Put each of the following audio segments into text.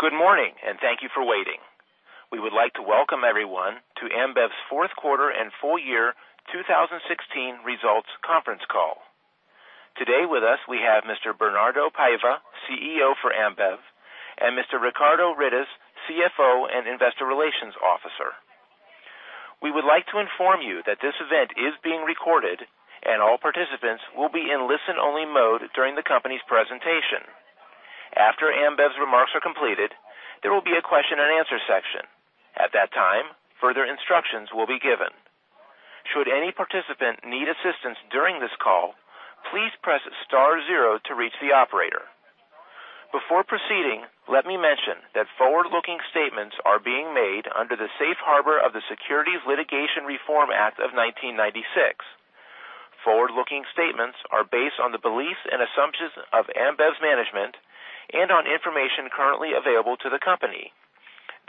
Good morning, and thank you for waiting. We would like to welcome everyone to Ambev's Fourth Quarter and Full Year 2016 Results Conference Call. Today with us, we have Mr. Bernardo Paiva, CEO for Ambev, and Mr. Ricardo Rittes, CFO and Investor Relations Officer. We would like to inform you that this event is being recorded and all participants will be in listen-only mode during the company's presentation. After Ambev's remarks are completed, there will be a question-and-answer section. At that time, further instructions will be given. Should any participant need assistance during this call, please press star zero to reach the operator. Before proceeding, let me mention that forward-looking statements are being made under the Safe Harbor of the Private Securities Litigation Reform Act of 1995. Forward-looking statements are based on the beliefs and assumptions of Ambev's management and on information currently available to the company.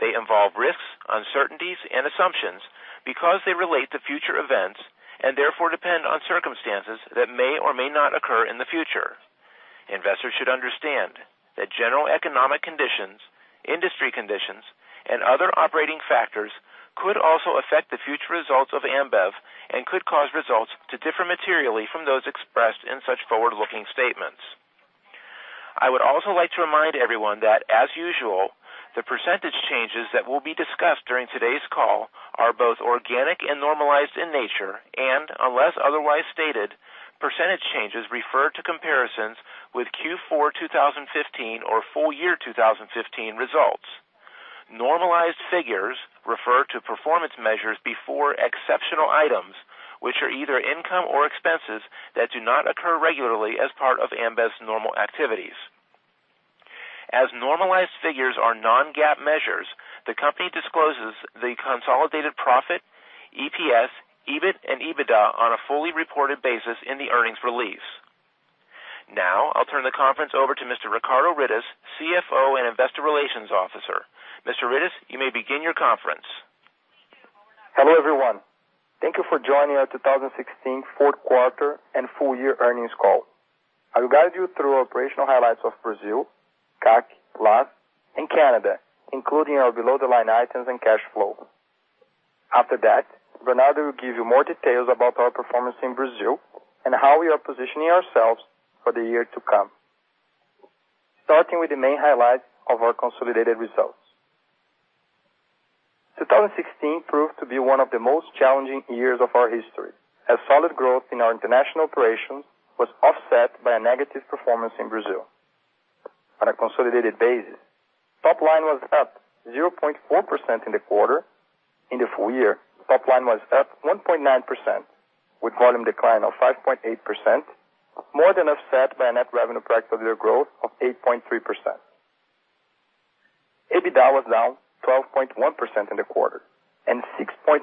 They involve risks, uncertainties, and assumptions because they relate to future events and therefore depend on circumstances that may or may not occur in the future. Investors should understand that general economic conditions, industry conditions, and other operating factors could also affect the future results of Ambev and could cause results to differ materially from those expressed in such forward-looking statements. I would also like to remind everyone that, as usual, the percentage changes that will be discussed during today's call are both organic and normalized in nature, and unless otherwise stated, percentage changes refer to comparisons with Q4 2015 or full year 2015 results. Normalized figures refer to performance measures before exceptional items, which are either income or expenses that do not occur regularly as part of Ambev's normal activities. As normalized figures are non-GAAP measures, the company discloses the consolidated profit, EPS, EBIT, and EBITDA on a fully reported basis in the earnings release. Now, I'll turn the conference over to Mr. Ricardo Rittes, CFO and Investor Relations Officer. Mr. Rittes, you may begin your conference. Hello, everyone. Thank you for joining our 2016 Fourth Quarter and Full Year Earnings Call. I will guide you through operational highlights of Brazil, CAC, LAS, and Canada, including our below-the-line items and cash flow. After that, Bernardo will give you more details about our performance in Brazil and how we are positioning ourselves for the year to come. Starting with the main highlights of our consolidated results. 2016 proved to be one of the most challenging years of our history, as solid growth in our international operations was offset by a negative performance in Brazil. On a consolidated basis, top line was up 0.4% in the quarter. In the full year, top line was up 1.9%, with volume decline of 5.8%, more than offset by a net revenue per hectoliter growth of 8.3%. EBITDA was down 12.1% in the quarter and 6.9%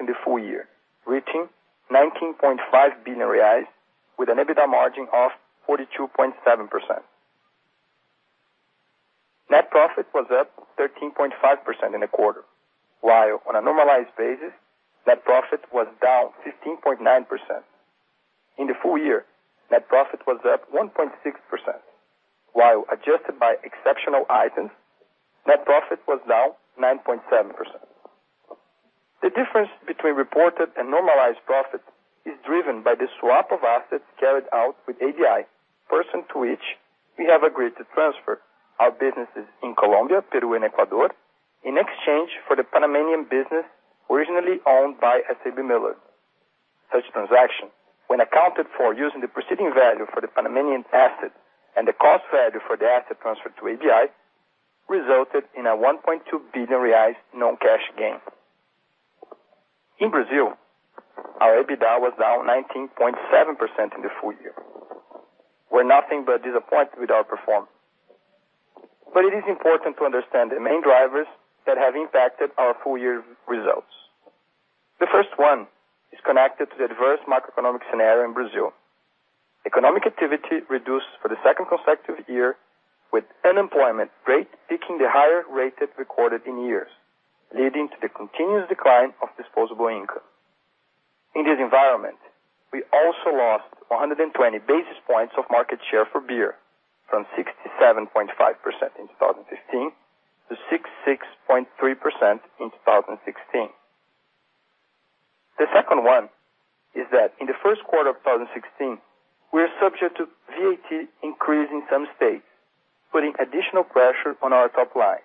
in the full year, reaching 19.5 billion reais with an EBITDA margin of 42.7%. Net profit was up 13.5% in the quarter, while on a normalized basis, net profit was down 15.9%. In the full year, net profit was up 1.6%, while adjusted by exceptional items, net profit was down 9.7%. The difference between reported and normalized profit is driven by the swap of assets carried out with ABI, pursuant to which we have agreed to transfer our businesses in Colombia, Peru, and Ecuador in exchange for the Panamanian business originally owned by SABMiller. Such transaction, when accounted for using the preceding value for the Panamanian asset and the cost value for the asset transferred to ABI, resulted in a 1.2 billion reais non-cash gain. In Brazil, our EBITDA was down 19.7% in the full year. We're nothing but disappointed with our performance. It is important to understand the main drivers that have impacted our full-year results. The first one is connected to the adverse macroeconomic scenario in Brazil. Economic activity reduced for the second consecutive year, with unemployment rate peaking the higher rate it recorded in years, leading to the continuous decline of disposable income. In this environment, we also lost 120 basis points of market share for beer, from 67.5% in 2015 to 66.3% in 2016. The second one is that in the first quarter of 2016, we are subject to VAT increase in some states, putting additional pressure on our top line.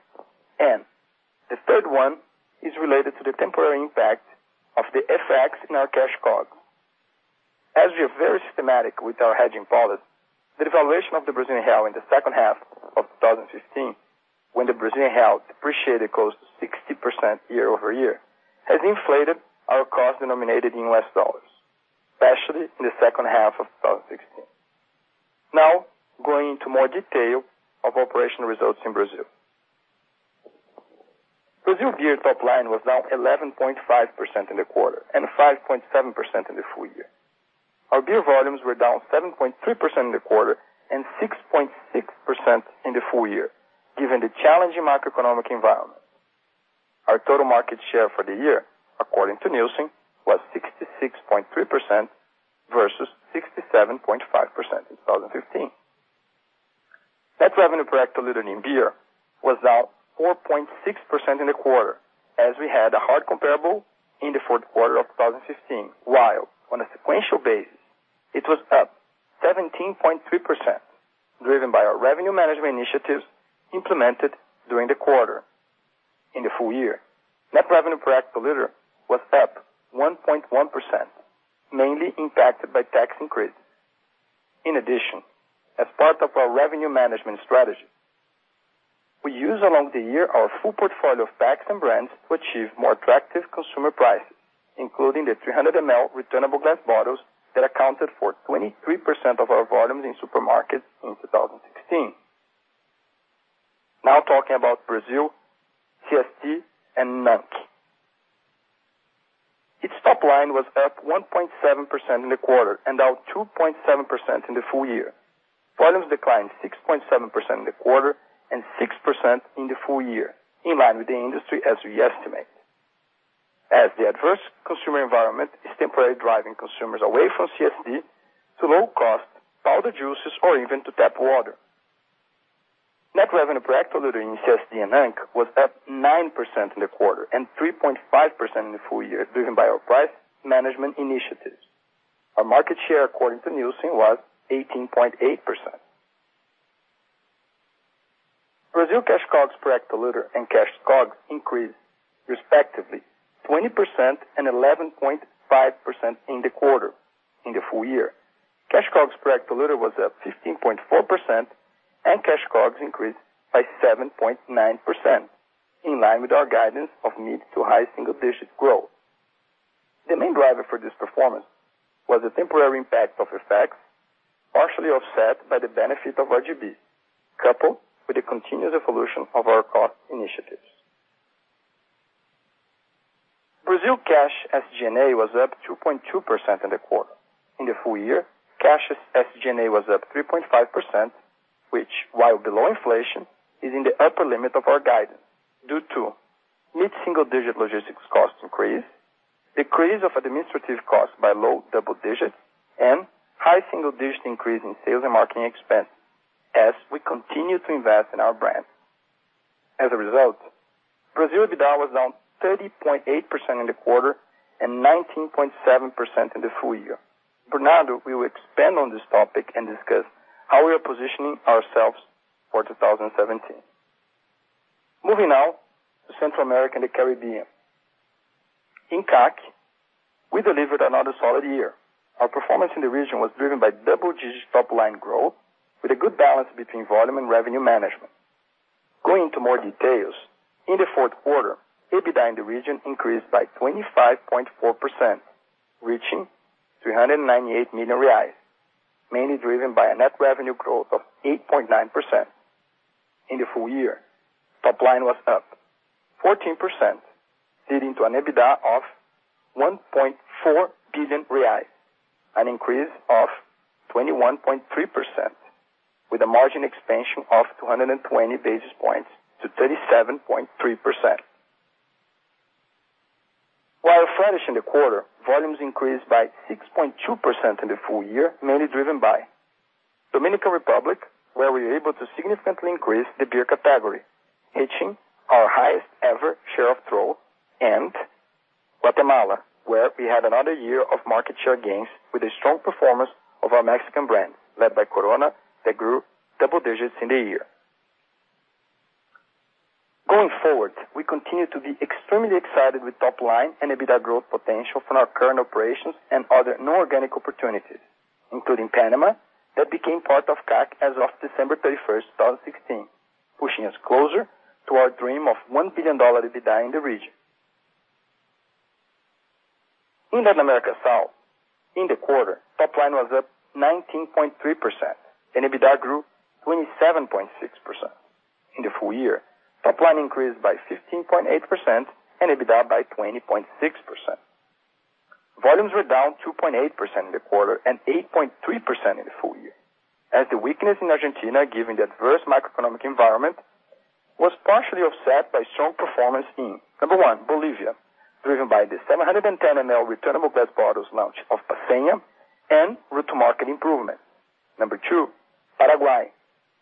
The third one is related to the temporary impact of the FX in our cash cost. As we are very systematic with our hedging policy, the devaluation of the Brazilian real in the second half of 2015, when the Brazilian real depreciated close to 60% year-over-year, has inflated our cost denominated in U.S. dollars, especially in the second half of 2016. Now, going into more detail of operational results in Brazil. Brazil beer top line was down 11.5% in the quarter and 5.7% in the full year. Our beer volumes were down 7.3% in the quarter and 6.6% in the full year, given the challenging macroeconomic environment. Our total market share for the year, according to Nielsen, was 66.3% versus 67.5% in 2015. Net revenue per hectoliter in beer was down 4.6% in the quarter as we had a hard comparable in the fourth quarter of 2015, while on a sequential basis, it was up 17.3%, driven by our revenue management initiatives implemented during the quarter. In the full year, net revenue per hectoliter was up 1.1%, mainly impacted by tax increase. In addition, as part of our revenue management strategy, we use along the year our full portfolio of packs and brands to achieve more attractive consumer prices, including the 300 ml returnable glass bottles that accounted for 23% of our volumes in supermarkets in 2016. Now talking about Brazil, CSD, and NANC. Its top line was up 1.7% in the quarter and down 2.7% in the full year. Volumes declined 6.7% in the quarter and 6% in the full year, in line with the industry as we estimate. As the adverse consumer environment is temporarily driving consumers away from CSD to low cost powder juices or even to tap water. Net revenue per hectoliter in CSD and NANC was up 9% in the quarter and 3.5% in the full year, driven by our price management initiatives. Our market share according to Nielsen was 18.8%. Brazil cash COGS per hectoliter and cash COGS increased respectively 20% and 11.5% in the quarter. In the full year, cash COGS per hectoliter was up 15.4% and cash COGS increased by 7.9%, in line with our guidance of mid to high single-digit growth. The main driver for this performance was the temporary impact of effects, partially offset by the benefit of RGB, coupled with the continuous evolution of our cost initiatives. Brazil cash SG&A was up 2.2% in the quarter. In the full year, cash SG&A was up 3.5%, which while below inflation, is in the upper limit of our guidance due to mid-single digit logistics cost increase, decrease of administrative cost by low double digit, and high single digit increase in sales and marketing expense as we continue to invest in our brand. As a result, Brazil EBITDA was down 30.8% in the quarter and 19.7% in the full year. Bernardo will expand on this topic and discuss how we are positioning ourselves for 2017. Moving now to Central America and the Caribbean. In CAC, we delivered another solid year. Our performance in the region was driven by double-digit top line growth with a good balance between volume and revenue management. Going into more details, in the fourth quarter, EBITDA in the region increased by 25.4%, reaching 398 million reais, mainly driven by a net revenue growth of 8.9%. In the full year, top line was up 14% leading to an EBITDA of 1.4 billion reais, an increase of 21.3% with a margin expansion of 220 basis points to 37.3%. While flat-ish in the quarter, volumes increased by 6.2% in the full year, mainly driven by Dominican Republic, where we were able to significantly increase the beer category, hitting our highest ever share of throat, and Guatemala, where we had another year of market share gains with a strong performance of our Mexican brand, led by Corona, that grew double digits in the year. Going forward, we continue to be extremely excited with top line and EBITDA growth potential from our current operations and other non-organic opportunities, including Panama that became part of CAC as of December 31, 2016, pushing us closer to our dream of $1 billion EBITDA in the region. In Latin America South, in the quarter, top line was up 19.3% and EBITDA grew 27.6%. In the full year, top line increased by 15.8% and EBITDA by 20.6%. Volumes were down 2.8% in the quarter and 8.3% in the full year. As the weakness in Argentina, given the adverse macroeconomic environment, was partially offset by strong performance in, number one, Bolivia, driven by the 710 ml returnable glass bottles launch of Paceña and route to market improvement. Number two, Paraguay,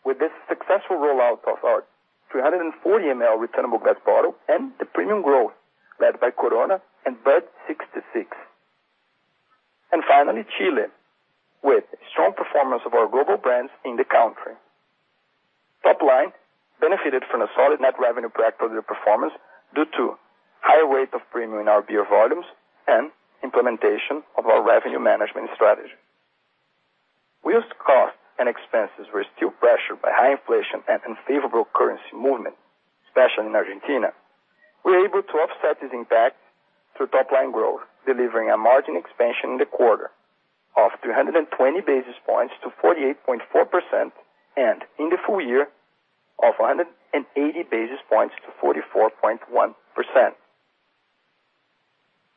with the successful rollout of our 340 ml returnable glass bottle and the premium growth led by Corona and Bud 66. Finally, Chile, with strong performance of our global brands in the country. Top line benefited from a solid net revenue per hectoliter performance due to higher rate of premium in our beer volumes and implementation of our revenue management strategy. While costs and expenses were still pressured by high inflation and unfavorable currency movement, especially in Argentina, we were able to offset this impact through top line growth, delivering a margin expansion in the quarter of 220 basis points to 48.4%, and in the full year of 180 basis points to 44.1%.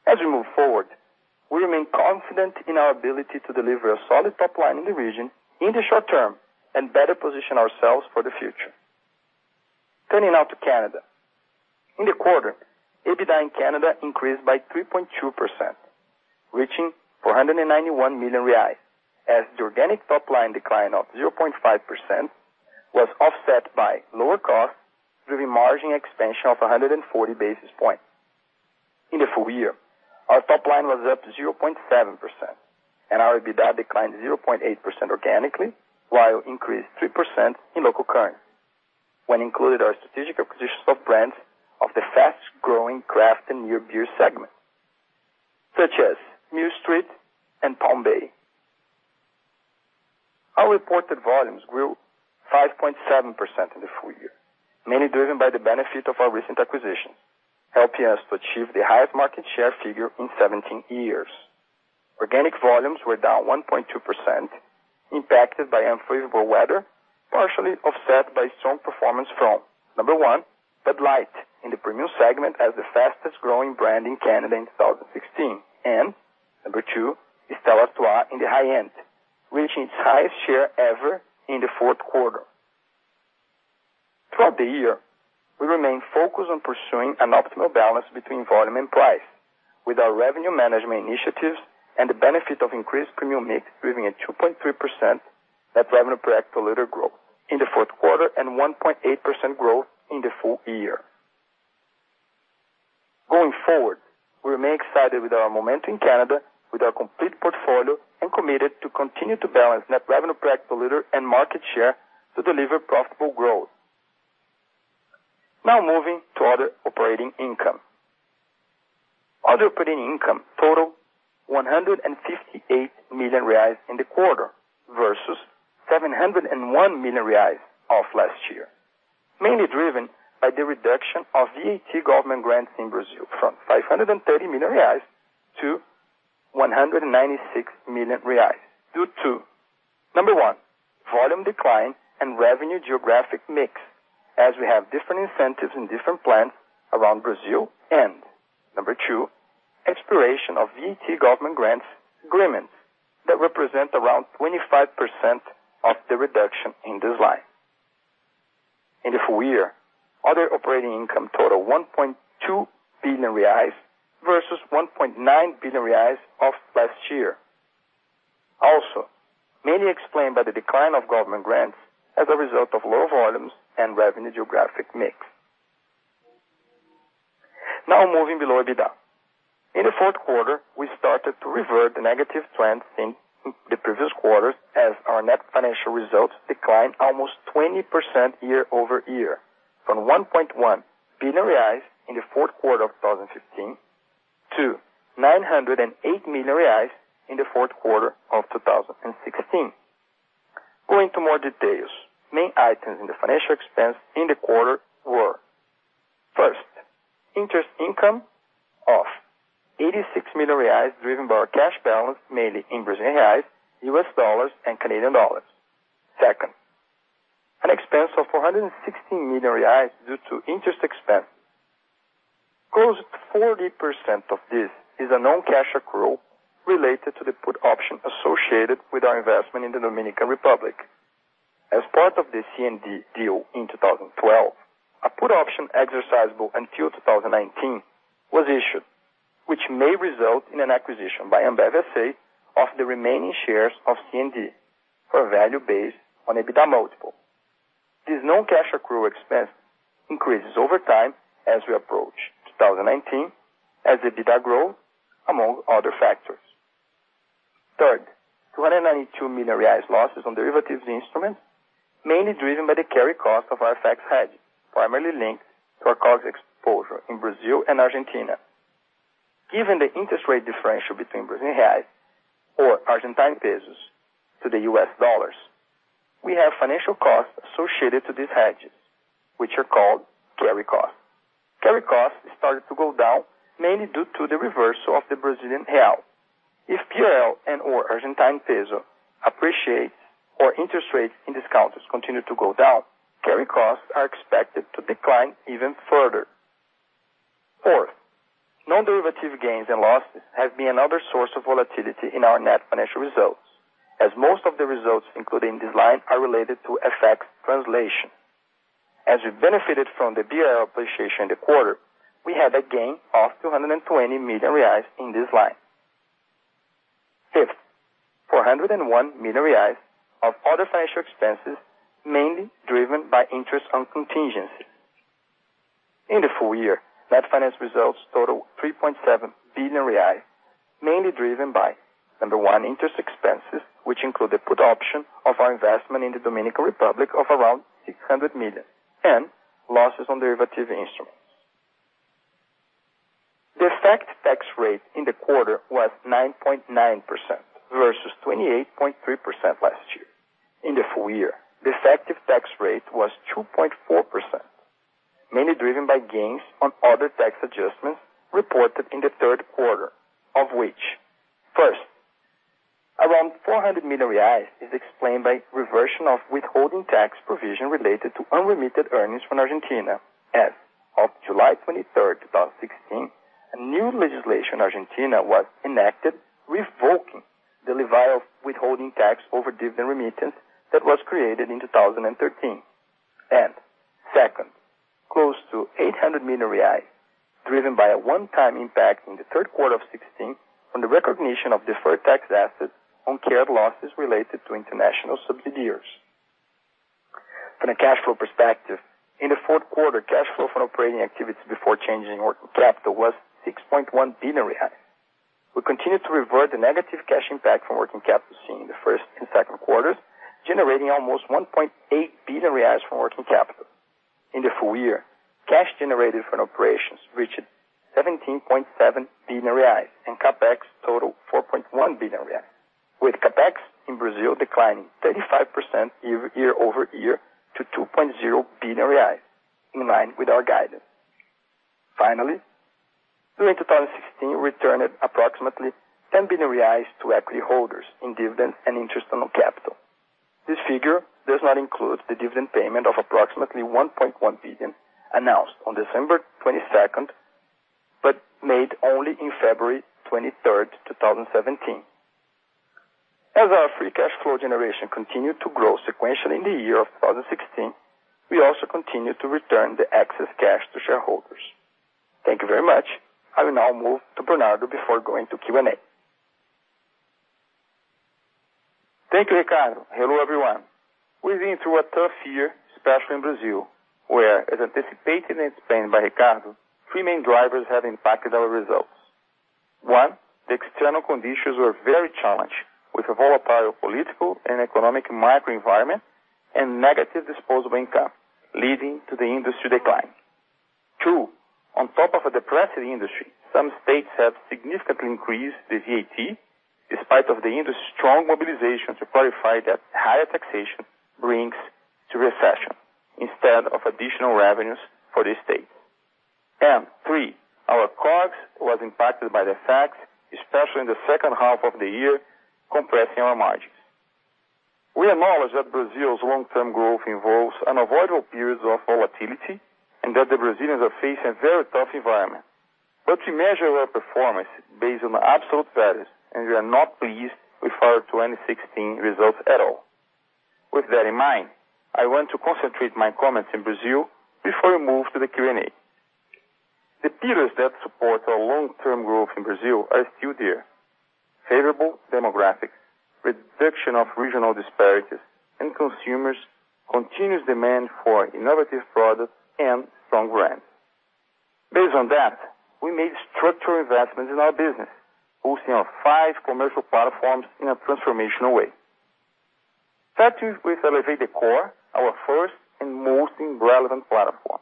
As we move forward, we remain confident in our ability to deliver a solid top line in the region in the short term and better position ourselves for the future. Turning now to Canada. In the quarter, EBITDA in Canada increased by 3.2%, reaching 491 million reais, as the organic top line decline of 0.5% was offset by lower costs through the margin expansion of 140 basis points. In the full year, our top line was up 0.7% and our EBITDA declined 0.8% organically, while it increased 3% in local currency including our strategic acquisitions of brands in the fast-growing craft and near beer segment, such as Mill Street and Palm Bay. Our reported volumes grew 5.7% in the full year, mainly driven by the benefit of our recent acquisition, helping us to achieve the highest market share figure in 17 years. Organic volumes were down 1.2%, impacted by unfavorable weather, partially offset by strong performance from, number one, Bud Light in the premium segment as the fastest-growing brand in Canada in 2016. Number two, Stella Artois in the high end, reaching its highest share ever in the fourth quarter. Throughout the year, we remained focused on pursuing an optimal balance between volume and price with our revenue management initiatives and the benefit of increased premium mix, driving a 2.3% net revenue per hectoliter growth in the fourth quarter and 1.8% growth in the full year. Going forward, we remain excited with our momentum in Canada with our complete portfolio and committed to continue to balance net revenue per hectoliter and market share to deliver profitable growth. Now moving to other operating income. Other operating income totaled 158 million reais in the quarter versus 701 million reais of last year, mainly driven by the reduction of VAT government grants in Brazil from 530 million-196 million reais due to number one, volume decline and revenue geographic mix as we have different incentives in different plans around Brazil. Number two, expiration of VAT government grants agreements that represent around 25% of the reduction in this line. In the full year, other operating income totaled 1.2 billion reais versus 1.9 billion reais of last year. Also mainly explained by the decline of government grants as a result of low volumes and revenue geographic mix. Now moving below EBITDA. In the fourth quarter, we started to revert the negative trends in the previous quarters as our net financial results declined almost 20% year-over-year from 1.1 billion reais in the fourth quarter of 2015 to 908 million reais in the fourth quarter of 2016. Going to more details. Main items in the financial expense in the quarter were, first, interest income of 86 million reais driven by our cash balance, mainly in Brazilian reais, U.S. dollars, and Canadian dollars. Second, an expense of 416 million reais due to interest expense. Close to 40% of this is a non-cash accrual related to the put option associated with our investment in the Dominican Republic. As part of the Cervecería Nacional Dominicana deal in 2012, a put option exercisable until 2019 was issued, which may result in an acquisition by Ambev S.A. of the remaining shares of Cervecería Nacional Dominicana for a value based on EBITDA multiple. This non-cash accrual expense increases over time as we approach 2019 as EBITDA grows, among other factors. Third, 292 million reais losses on derivative instruments, mainly driven by the carry cost of our FX hedge, primarily linked to our COGS exposure in Brazil and Argentina. Given the interest rate differential between Brazilian reais or Argentine pesos to the U.S. dollars, we have financial costs associated to these hedges, which are called carry costs. Carry costs started to go down mainly due to the reversal of the Brazilian real. If BRL and/or Argentine peso appreciates or interest rates and discounts continue to go down, carry costs are expected to decline even further. Fourth, non-derivative gains and losses have been another source of volatility in our net financial results, as most of the results included in this line are related to FX translation. As we benefited from the BRL appreciation in the quarter, we had a gain of 220 million reais in this line. Fifth, 401 million reais of other financial expenses, mainly driven by interest on contingencies. In the full year, net finance results totaled 3.7 billion reais, mainly driven by, number one, interest expenses, which include the put option of our investment in the Dominican Republic of around 600 million, and losses on derivative instruments. The effective tax rate in the quarter was 9.9% versus 28.3% last year. In the full year, the effective tax rate was 2.4%, mainly driven by gains on other tax adjustments reported in the third quarter, of which, first, 400 million reais is explained by reversion of withholding tax provision related to unremitted earnings from Argentina. As of July 23, 2016, new legislation in Argentina was enacted, revoking the levy of withholding tax over dividend remittance that was created in 2013. Second, close to 800 million reais, driven by a one-time impact in the third quarter of 16 on the recognition of deferred tax assets on carried losses related to international subsidiaries. From a cash flow perspective, in the fourth quarter, cash flow from operating activities before changing working capital was 6.1 billion. We continued to revert the negative cash impact from working capital seen in the first and second quarters, generating almost 1.8 billion reais from working capital. In the full year, cash generated from operations reached 17.7 billion reais and CapEx totaled 4.1 billion reais, with CapEx in Brazil declining 35% year-over-year to 2.0 billion reais, in line with our guidance. Finally, during 2016, we returned approximately 10 billion reais to equity holders in dividends and interest on capital. This figure does not include the dividend payment of approximately 1.1 billion announced on December 22, but made only in February 23, 2017. As our free cash flow generation continued to grow sequentially in the year 2016, we also continued to return the excess cash to shareholders. Thank you very much. I will now move to Bernardo before going to Q&A. Thank you, Ricardo. Hello, everyone. We've been through a tough year, especially in Brazil, where, as anticipated and explained by Ricardo, three main drivers have impacted our results. One, the external conditions were very challenging with a volatile political and economic macro environment and negative disposable income, leading to the industry decline. Two, on top of a depressing industry, some states have significantly increased the VAT despite of the industry's strong mobilization to clarify that higher taxation brings to recession instead of additional revenues for the state. Three, our COGS was impacted by the FX, especially in the second half of the year, compressing our margins. We acknowledge that Brazil's long-term growth involves unavoidable periods of volatility and that the Brazilians are facing a very tough environment. We measure our performance based on absolute values, and we are not pleased with our 2016 results at all. With that in mind, I want to concentrate my comments in Brazil before we move to the Q&A. The pillars that support our long-term growth in Brazil are still there. Favorable demographics, reduction of regional disparities, and consumers' continuous demand for innovative products and strong brands. Based on that, we made structural investments in our business, boosting our five commercial platforms in a transformational way. Start with Elevate the Core, our first and most relevant platform.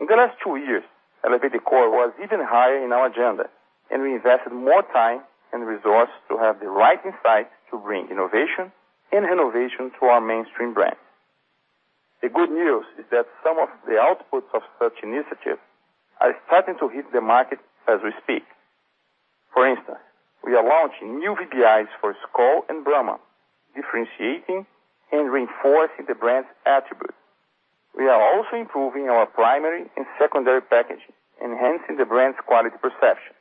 In the last two years, Elevate the Core was even higher in our agenda, and we invested more time and resources to have the right insight to bring innovation and renovation to our mainstream brand. The good news is that some of the outputs of such initiatives are starting to hit the market as we speak. For instance, we are launching new VBIs for Skol and Brahma, differentiating and reinforcing the brand's attribute. We are also improving our primary and secondary packaging, enhancing the brand's quality perception.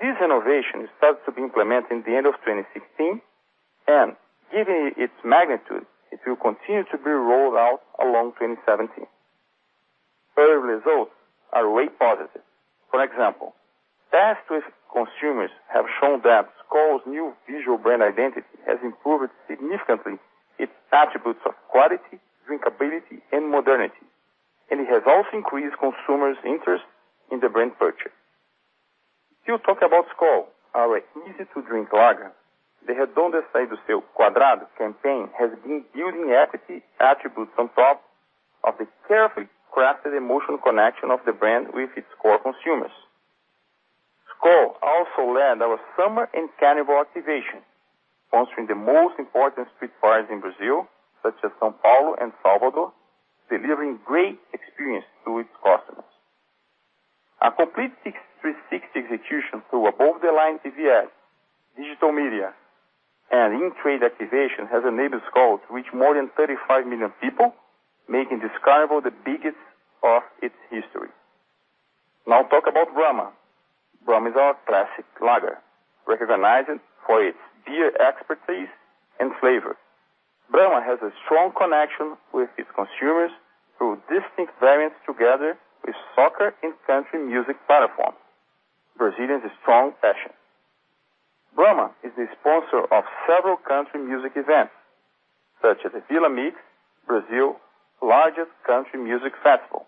This innovation started to be implemented in the end of 2016 and given its magnitude, it will continue to be rolled out along 2017. Early results are way positive. For example, tests with consumers have shown that Skol's new Visual Brand Identity has improved significantly its attributes of quality, drinkability, and modernity, and it has also increased consumers' interest in the brand purchase. Still talking about Skol, our easy to drink lager, the Redondo é Sair do Seu Quadrado campaign has been building equity attributes on top of a carefully crafted emotional connection of the brand with its core consumers. Skol also led our summer and carnival activation, sponsoring the most important street parties in Brazil, such as São Paulo and Salvador, delivering great experience to its customers. A complete 360 execution through above the line TV ads, digital media, and in-trade activation has enabled Skol to reach more than 35 million people, making the Carnaval de Skol the biggest of its history. Now talk about Brahma. Brahma is our classic lager, recognized for its beer expertise and flavor. Brahma has a strong connection with its consumers through distinct variants together with soccer and country music platform. Football is a strong passion. Brahma is the sponsor of several country music events, such as the Villa Mix, Brazil's largest country music festival.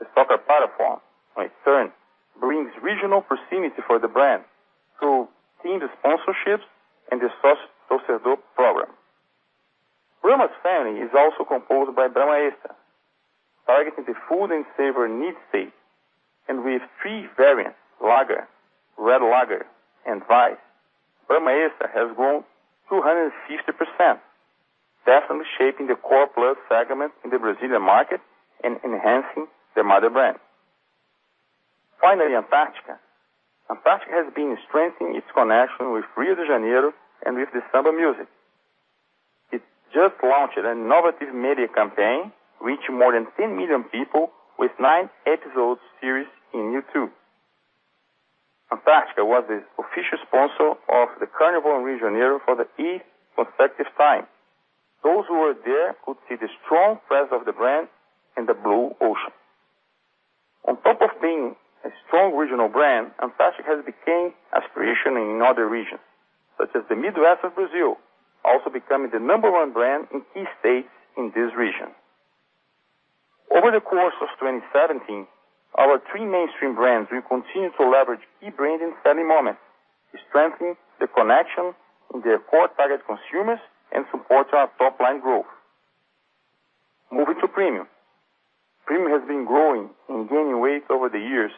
The soccer platform, on its turn, brings regional proximity for the brand through team sponsorships and the Sociedade do Programa. Brahma's family is also composed by Brahma Extra, targeting the food and savor need state. With three variants, lager, red lager, and vice, Brahma Extra has grown 250%, definitely shaping the core plus segment in the Brazilian market and enhancing their mother brand. Finally, Antarctica. Antarctica has been strengthening its connection with Rio de Janeiro and with the samba music. It just launched an innovative media campaign, reaching more than 10 million people with nine-episode series in YouTube. Antarctica was the official sponsor of the carnival in Rio de Janeiro for the eighth consecutive time. Those who were there could see the strong presence of the brand in the blocos. On top of being a strong regional brand, Antarctica has become aspirational in other regions, such as the Midwest of Brazil, also becoming the number one brand in key states in this region. Over the course of 2017, our three mainstream brands will continue to leverage key brands in selling moments, strengthening the connection in their core target consumers and support our top line growth. Moving to premium. Premium has been growing and gaining weight over the years,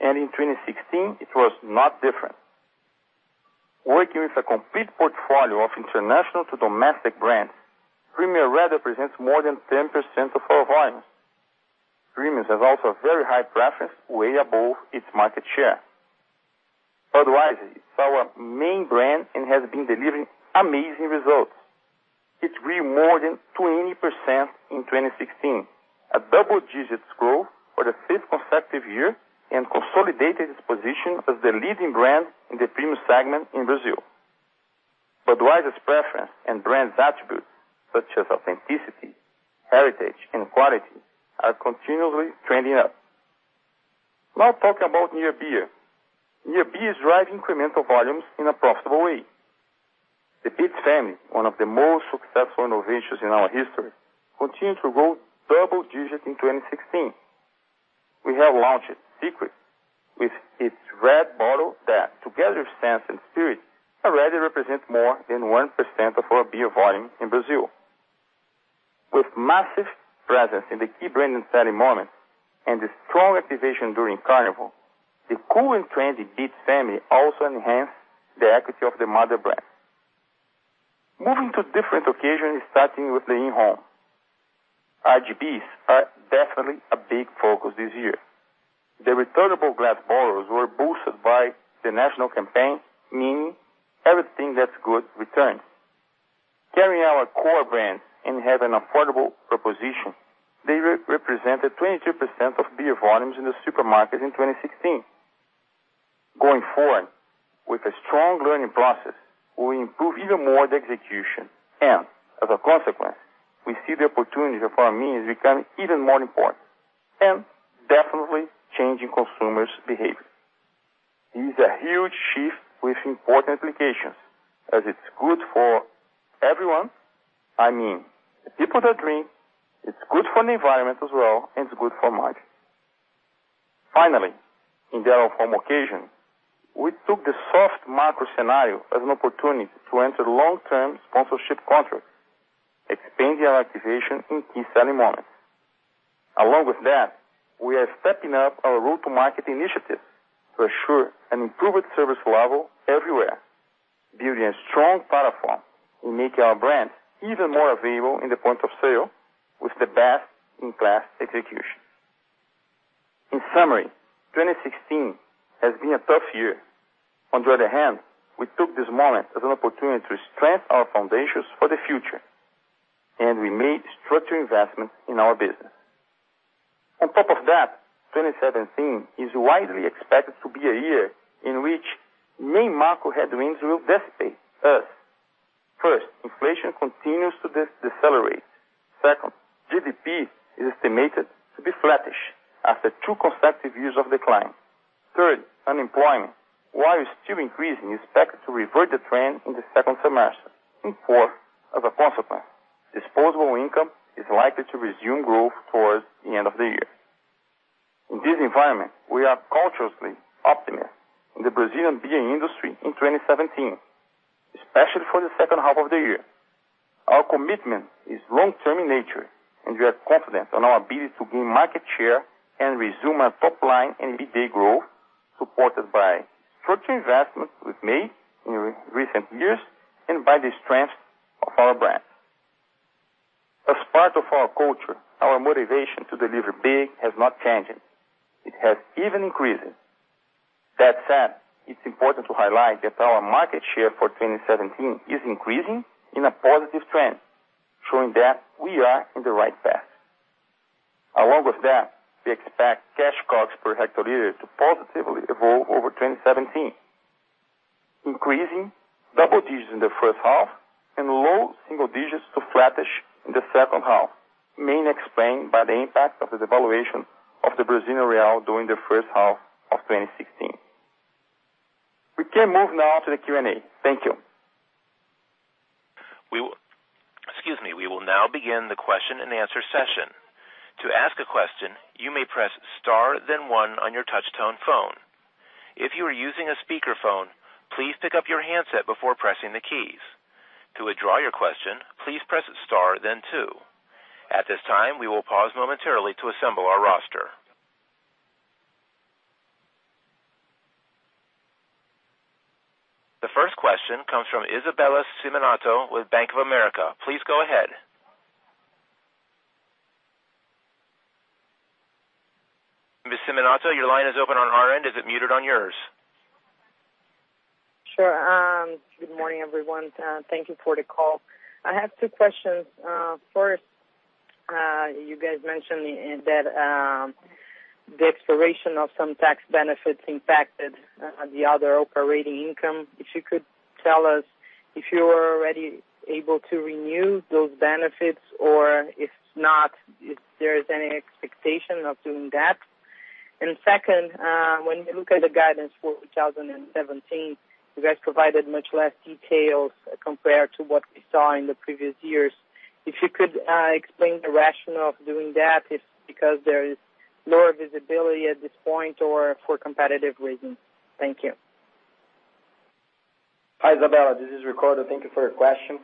and in 2016 it was not different. Working with a complete portfolio of international to domestic brands, Premium represent more than 10% of our volumes. Premium has also a very high preference way above its market share. Budweiser is our main brand and has been delivering amazing results. It grew more than 20% in 2016, a double-digit growth for the fifth consecutive year, and consolidated its position as the leading brand in the premium segment in Brazil. Budweiser's preference and brand attributes such as authenticity, heritage and quality are continually trending up. Now talking about near beer. Near beer is driving incremental volumes in a profitable way. The Beats family, one of the most successful innovations in our history, continued to grow double-digit in 2016. We have launched Secret with its red bottle that together with Senses and Spirit already represent more than 1% of our beer volume in Brazil. With massive presence in the key brand selling moments and the strong activation during carnival, the cool and trendy Beats family also enhanced the equity of the mother brand. Moving to different occasions, starting with the in-home. RGBs are definitely a big focus this year. The returnable glass bottles were boosted by the national campaign, meaning everything that's good returns. Carrying our core brands and have an affordable proposition, they represented 22% of beer volumes in the supermarkets in 2016. Going forward, with a strong learning process, we improve even more the execution, and as a consequence, we see the opportunity for our means becoming even more important and definitely changing consumers behavior. It is a huge shift with important implications as it's good for everyone. I mean, the people that drink, it's good for the environment as well, and it's good for margin. Finally, in the out of home occasion, we took the soft macro scenario as an opportunity to enter long-term sponsorship contracts, expanding our activation in key selling moments. Along with that, we are stepping up our go-to-market initiative to assure an improved service level everywhere, building a strong platform and make our brands even more available in the point of sale with the best-in-class execution. In summary, 2016 has been a tough year. On the other hand, we took this moment as an opportunity to strengthen our foundations for the future, and we made structural investment in our business. On top of that, 2017 is widely expected to be a year in which main macro headwinds will dissipate as, first, inflation continues to decelerate. Second, GDP is estimated to be flattish after two consecutive years of decline. Third, unemployment, while still increasing, is expected to revert the trend in the second semester. Fourth, as a consequence, disposable income is likely to resume growth towards the end of the year. In this environment, we are cautiously optimistic in the Brazilian beer industry in 2017, especially for the second half of the year. Our commitment is long-term in nature, and we are confident on our ability to gain market share and resume our top line and EBITDA growth, supported by structural investment we've made in recent years and by the strength of our brands. As part of our culture, our motivation to deliver big has not changed. It has even increased. That said, it's important to highlight that our market share for 2017 is increasing in a positive trend, showing that we are in the right path. Along with that, we expect cash COGS per hectoliter to positively evolve over 2017, increasing double digits in the first half and low single digits to flattish in the second half, mainly explained by the impact of the devaluation of the Brazilian real during the first half of 2016. We can move now to the Q&A. Thank you. Excuse me. We will now begin the question-and-answer session. To ask a question, you may press star then one on your touch tone phone. If you are using a speakerphone, please pick up your handset before pressing the keys. To withdraw your question, please press star then two. At this time, we will pause momentarily to assemble our roster. The first question comes from Isabella Simonato with Bank of America. Please go ahead. Ms. Simonato, your line is open on our end. Is it muted on yours? Sure. Good morning, everyone. Thank you for the call. I have two questions. First, you guys mentioned that the exploration of some tax benefits impacted the other operating income. If you could tell us if you're already able to renew those benefits or if not, if there is any expectation of doing that. Second, when you look at the guidance for 2017, you guys provided much less details compared to what we saw in the previous years. If you could explain the rationale of doing that, if it's because there is lower visibility at this point or for competitive reasons. Thank you. Hi, Isabella. This is Ricardo. Thank you for your question.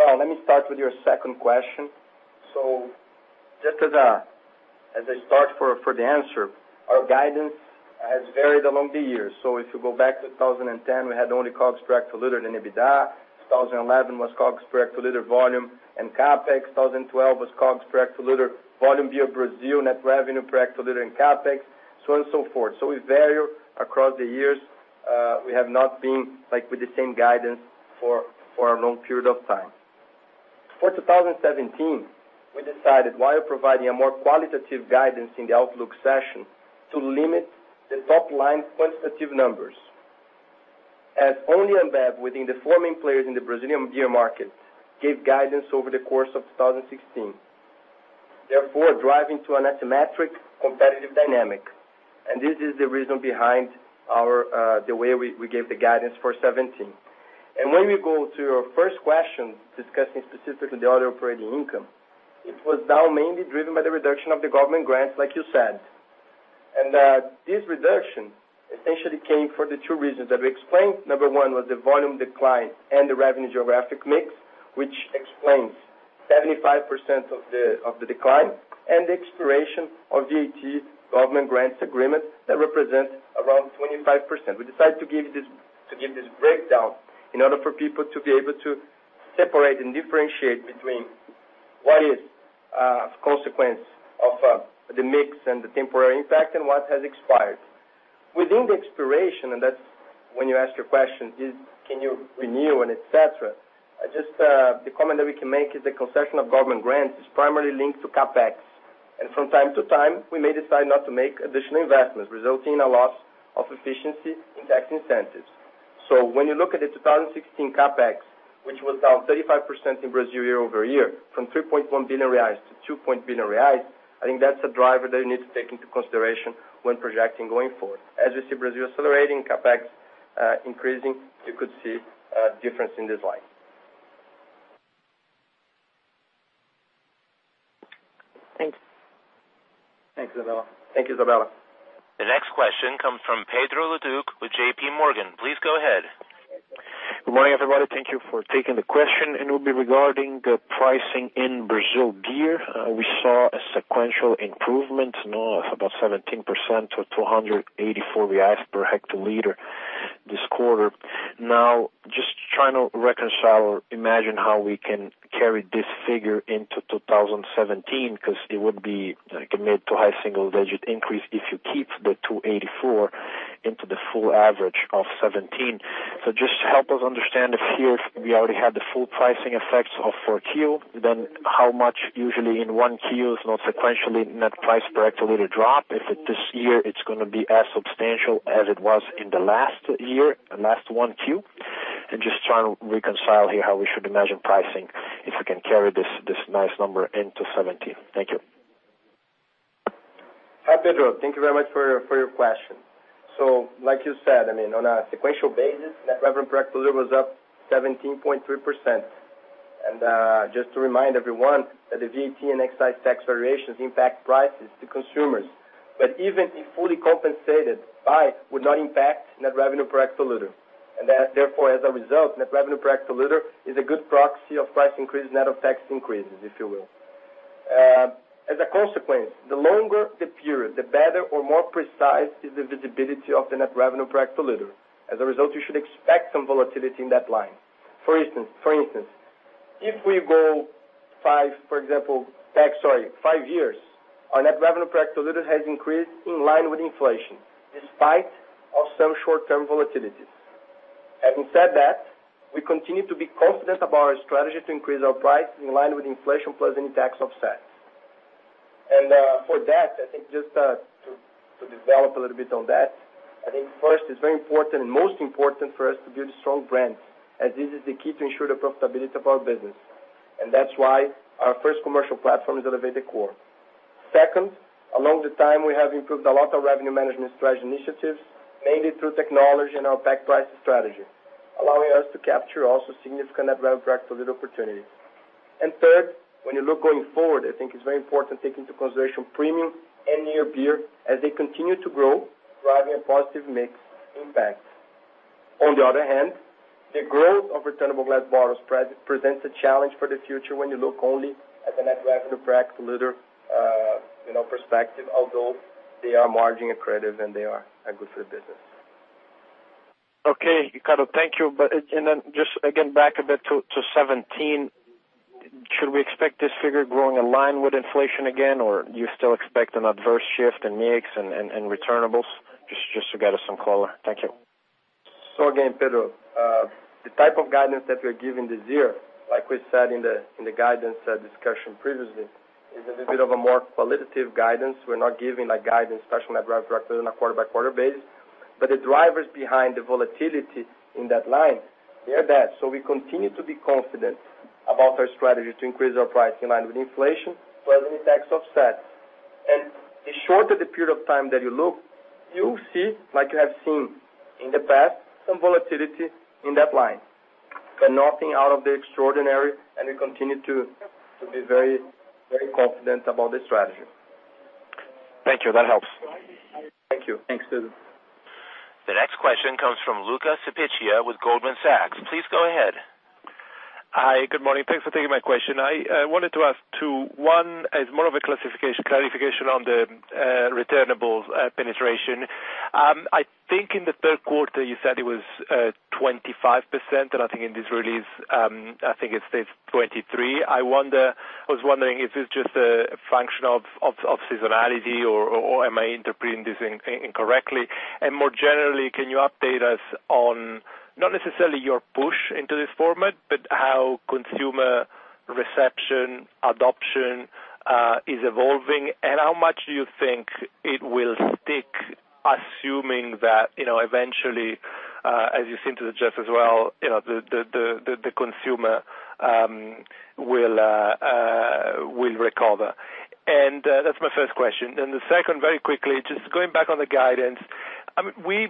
Well, let me start with your second question. Just as I start for the answer, our guidance has varied along the years. If you go back to 2010, we had only COGS per hectoliter and EBITDA. 2011 was COGS per hectoliter, volume, and CapEx. 2012 was COGS per hectoliter, volume in Brazil, net revenue per hectoliter and CapEx, so on and so forth. We vary across the years. We have not been like with the same guidance for a long period of time. For 2017, we decided, while providing a more qualitative guidance in the outlook session, to limit the top-line quantitative numbers, as only Ambev within the four main players in the Brazilian beer market gave guidance over the course of 2016, therefore, driving to an asymmetric competitive dynamic. This is the reason behind our the way we gave the guidance for 2017. When we go to your first question, discussing specifically the other operating income, it was now mainly driven by the reduction of the government grants, like you said. This reduction essentially came for the two reasons that we explained. Number one was the volume decline and the revenue geographic mix, which explains 75% of the decline, and the expiration of VAT government grants agreement that represents around 25%. We decided to give this breakdown in order for people to be able to separate and differentiate between what is consequence of the mix and the temporary impact and what has expired. Within the expiration, that's when you ask your question is can you renew and et cetera, just the comment that we can make is the concession of government grants is primarily linked to CapEx. From time to time, we may decide not to make additional investments, resulting in a loss of efficiency in tax incentives. When you look at the 2016 CapEx, which was down 35% in Brazil year-over-year from 3.1 billion reais to 2.0 billion reais, I think that's a driver that you need to take into consideration when projecting going forward. As you see, Brazil accelerating, CapEx increasing, you could see a difference in this line. Thanks. Thanks, Isabella. The next question comes from Pedro Leduc with J.P. Morgan. Please go ahead. Good morning, everybody. Thank you for taking the question, and it will be regarding the pricing in Brazil beer. We saw a sequential improvement, you know, of about 17% to 284 reais per hectoliter this quarter. Now, just trying to reconcile or imagine how we can carry this figure into 2017, 'cause it would be like a mid to high single-digit increase if you keep the 284 into the full average of 2017. Just help us understand if here we already had the full pricing effects of 4Q, then how much usually in 1Q is not sequentially net price per hectoliter drop. If it is this year, it's gonna be as substantial as it was in the last year, last 1Q. Just trying to reconcile here how we should imagine pricing, if we can carry this nice number into 2017. Thank you. Hi, Pedro. Thank you very much for your question. Like you said, I mean, on a sequential basis, net revenue per hectoliter was up 17.3%. Just to remind everyone that the VAT and excise tax variations impact prices to consumers. But even if fully compensated, would not impact net revenue per hectoliter. Therefore, as a result, net revenue per hectoliter is a good proxy of price increase, net of tax increases, if you will. As a consequence, the longer the period, the better or more precise is the visibility of the net revenue per hectoliter. As a result, you should expect some volatility in that line. For instance, if we go five years, our net revenue per hectoliter has increased in line with inflation, despite of some short-term volatilities. Having said that, we continue to be confident about our strategy to increase our price in line with inflation plus any tax offsets. For that, I think just to develop a little bit on that, I think first, it's very important and most important for us to build strong brands, as this is the key to ensure the profitability of our business. That's why our first commercial platform is Elevate the Core. Second, over time, we have improved a lot of revenue management strategy initiatives, mainly through technology and our pack price strategy, allowing us to capture also significant net revenue per hectoliter opportunities. Third, when you look going forward, I think it's very important to take into consideration premium and near beer as they continue to grow, driving a positive mix impact. On the other hand. The growth of returnable glass bottles presents a challenge for the future when you look only at the net revenue per hectoliter, you know, perspective, although they are margin accretive and they are good for the business. Okay. Ricardo, thank you. Just again, back a bit to 17, should we expect this figure growing in line with inflation again, or do you still expect an adverse shift in mix and returnables? Just to get us some color. Thank you. Again, Pedro, the type of guidance that we're giving this year, like we said in the guidance discussion previously, is a little bit of a more qualitative guidance. We're not giving like guidance, especially net revenue on a quarter-by-quarter basis. The drivers behind the volatility in that line, they're there. We continue to be confident about our strategy to increase our price in line with inflation plus any tax offset. The shorter the period of time that you look, you'll see, like you have seen in the past, some volatility in that line. Nothing out of the ordinary and we continue to be very, very confident about the strategy. Thank you. That helps. Thank you. Thanks, Pedro. The next question comes from Luca Cipiccia with Goldman Sachs. Please go ahead. Hi. Good morning. Thanks for taking my question. I wanted to ask two. One is more of a clarification on the returnables penetration. I think in the third quarter you said it was 25%. I think in this release, I think it states 23%. I was wondering if it's just a function of seasonality or am I interpreting this incorrectly? More generally, can you update us on not necessarily your push into this format, but how consumer reception, adoption is evolving and how much do you think it will stick, assuming that, you know, eventually, as you seem to suggest as well, you know, the consumer will recover? That's my first question. The second, very quickly, just going back on the guidance. We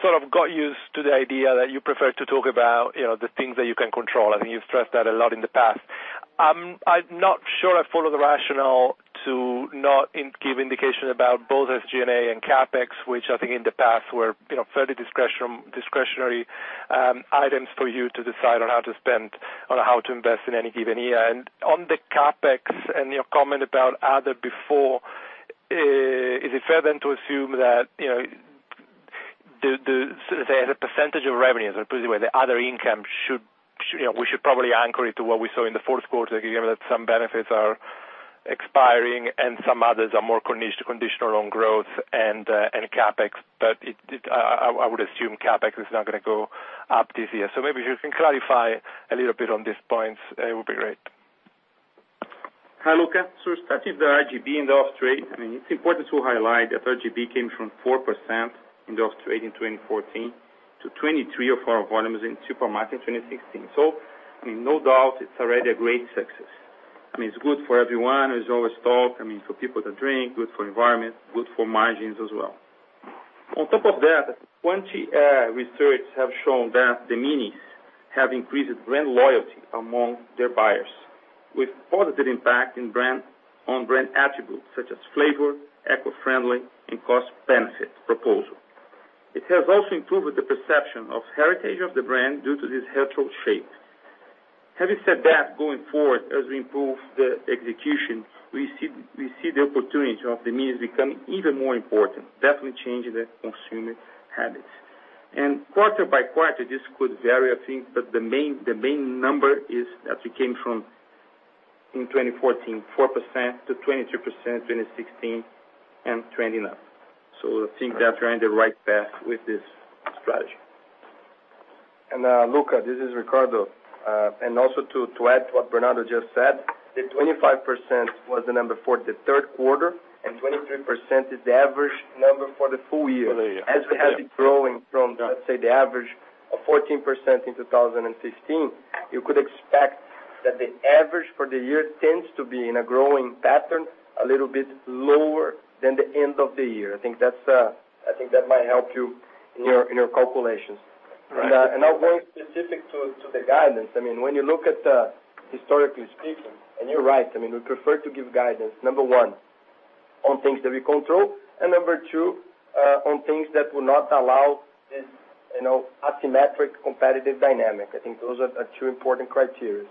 sort of got used to the idea that you prefer to talk about, you know, the things that you can control. I think you've stressed that a lot in the past. I'm not sure I follow the rationale to not give indication about both SG&A and CapEx, which I think in the past were, you know, fairly discretionary, items for you to decide on how to spend, on how to invest in any given year. On the CapEx and your comment about other before, is it fair then to assume that, you know, the as a percentage of revenues, put it this way, the other income should, you know, we should probably anchor it to what we saw in the fourth quarter, given that some benefits are expiring and some others are more conditional on growth and CapEx. I would assume CapEx is not gonna go up this year. Maybe if you can clarify a little bit on these points, it would be great. Hi, Luca. As per the RGB and the off-trade, I mean it's important to highlight that RGB came from 4% in the off-trade in 2014 to 23% of our volumes in supermarket in 2016. I mean, no doubt it's already a great success. I mean, it's good for everyone, as always talked. I mean, for people to drink, good for environment, good for margins as well. On top of that, plenty research have shown that the minis have increased brand loyalty among their buyers with positive impact on brand attributes such as flavor, eco-friendly, and cost-benefit proposal. It has also improved the perception of heritage of the brand due to this heritage shape. Having said that, going forward, as we improve the execution, we see the opportunity of the minis becoming even more important, definitely changing the consumer habits. Quarter by quarter this could vary, I think, but the main number is that we came from 4% in 2014 to 23% in 2016 and trending up. I think we are trying the right path with this strategy. Luca, this is Ricardo. Also, to add to what Bernardo just said, the 25% was the number for the third quarter, and 23% is the average number for the full year. For the year. Yeah. As we have it growing from, let's say the average of 14% in 2016, you could expect that the average for the year tends to be in a growing pattern, a little bit lower than the end of the year. I think that's, I think that might help you in your calculations. Right. Now going specifically to the guidance. I mean, when you look at, historically speaking, and you're right, I mean, we prefer to give guidance, number one, on things that we control, and number two, on things that will not allow this, you know, asymmetric competitive dynamic. I think those are two important criteria.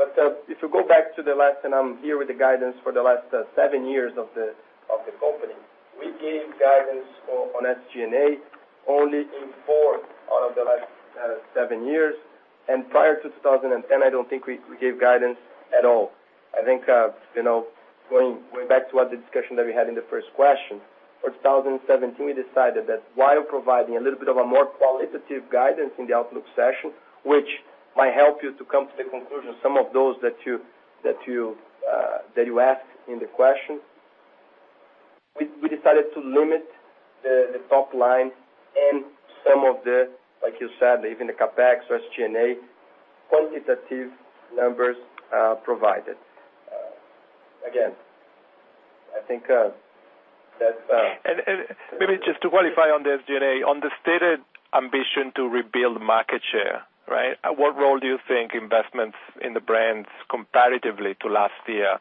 If you go back to the last, and I'm here with the guidance for the last, seven years of the company, we gave guidance on SG&A only in four out of the last seven years. Prior to 2010, I don't think we gave guidance at all. I think, you know, going back to what the discussion that we had in the first question, for 2017, we decided that while providing a little bit of a more qualitative guidance in the outlook session, which might help you to come to the conclusion of some of those that you asked in the question, we decided to limit the top line and some of the, like you said, even the CapEx or SG&A qualitative numbers provided. Again, I think that's Maybe just to qualify on the SG&A, on the stated ambition to rebuild market share, right? What role do you think investments in the brands comparatively to last year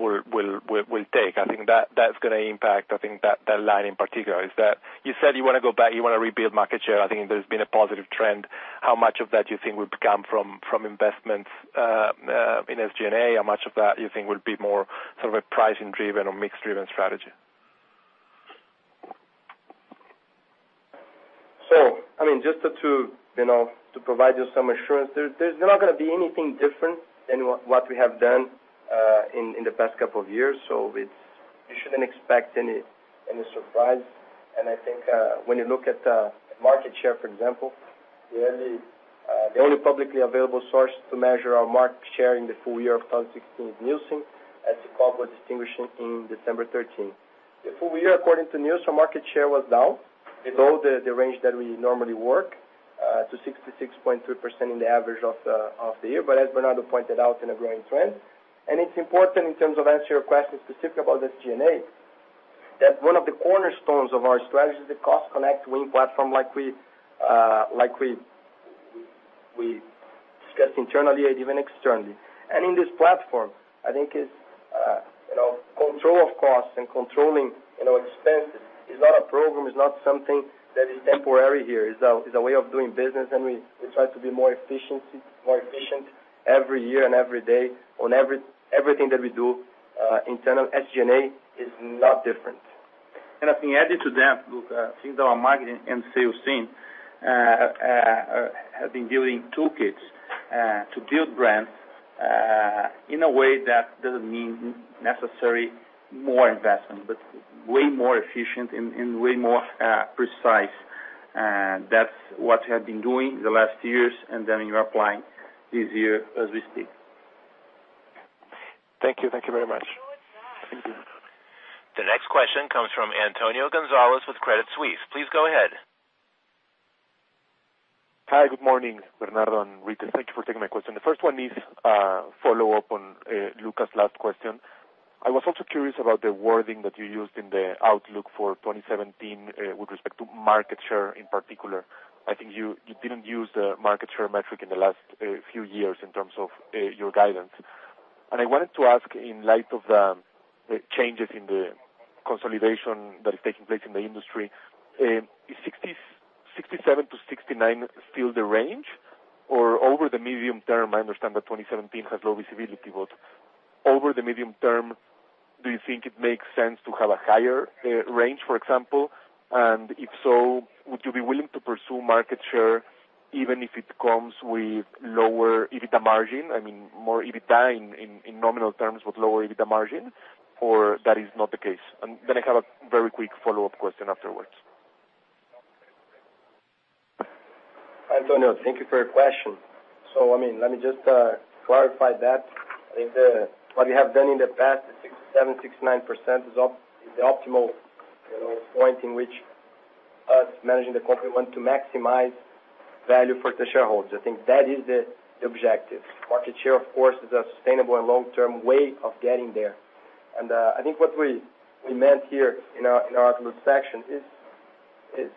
will take? I think that's gonna impact that line in particular. Is that what you said you wanna go back, you wanna rebuild market share. I think there's been a positive trend. How much of that you think will come from investments in SG&A? How much of that you think will be more sort of a pricing driven or mix-driven strategy? I mean, just to you know, to provide you some assurance. There's not gonna be anything different than what we have done in the past couple of years. It's. You shouldn't expect any surprise. I think, when you look at market share, for example, the only publicly available source to measure our market share in the full year of 2016 is Nielsen, as the company disclosed in December 2013. The full year, according to Nielsen, market share was down below the range that we normally work to 66.3% in the average of the year. As Bernardo pointed out in a growing trend, and it's important in terms of answering your question specific about SG&A, that one of the cornerstones of our strategy is the Cost, Connect, Win platform like we discussed internally and even externally. In this platform, I think it's you know, control of costs and controlling you know, expenses is not a program, is not something that is temporary here. It's a way of doing business. We try to be more efficient every year and every day on everything that we do internally. SG&A is not different. I think adding to that, Luca, since our marketing and sales team have been building toolkits to build brands in a way that doesn't necessarily mean more investment, but way more efficient and way more precise. That's what we have been doing the last years, and then we are applying this year as we speak. Thank you. Thank you very much. The next question comes from Antonio Gonz``alez with Credit Suisse. Please go ahead. Hi. Good morning, Bernardo and Ricardo Rittes. Thank you for taking my question. The first one is follow-up on Luca Cipiccia's last question. I was also curious about the wording that you used in the outlook for 2017 with respect to market share in particular. I think you didn't use the market share metric in the last few years in terms of your guidance. I wanted to ask, in light of the changes in the consolidation that is taking place in the industry, is 67%-69% still the range or over the medium term? I understand that 2017 has low visibility. Over the medium term, do you think it makes sense to have a higher range, for example? And if so, would you be willing to pursue market share even if it comes with lower EBITDA margin? I mean, more EBITDA in nominal terms with lower EBITDA margin, or that is not the case. I have a very quick follow-up question afterwards. Antonio, thank you for your question. I mean, let me just clarify that. I think what we have done in the past, 67%-69% is the optimal, you know, point in which us managing the company want to maximize value for the shareholders. I think that is the objective. Market share, of course, is a sustainable and long-term way of getting there. I think what we meant here in our outlook section is the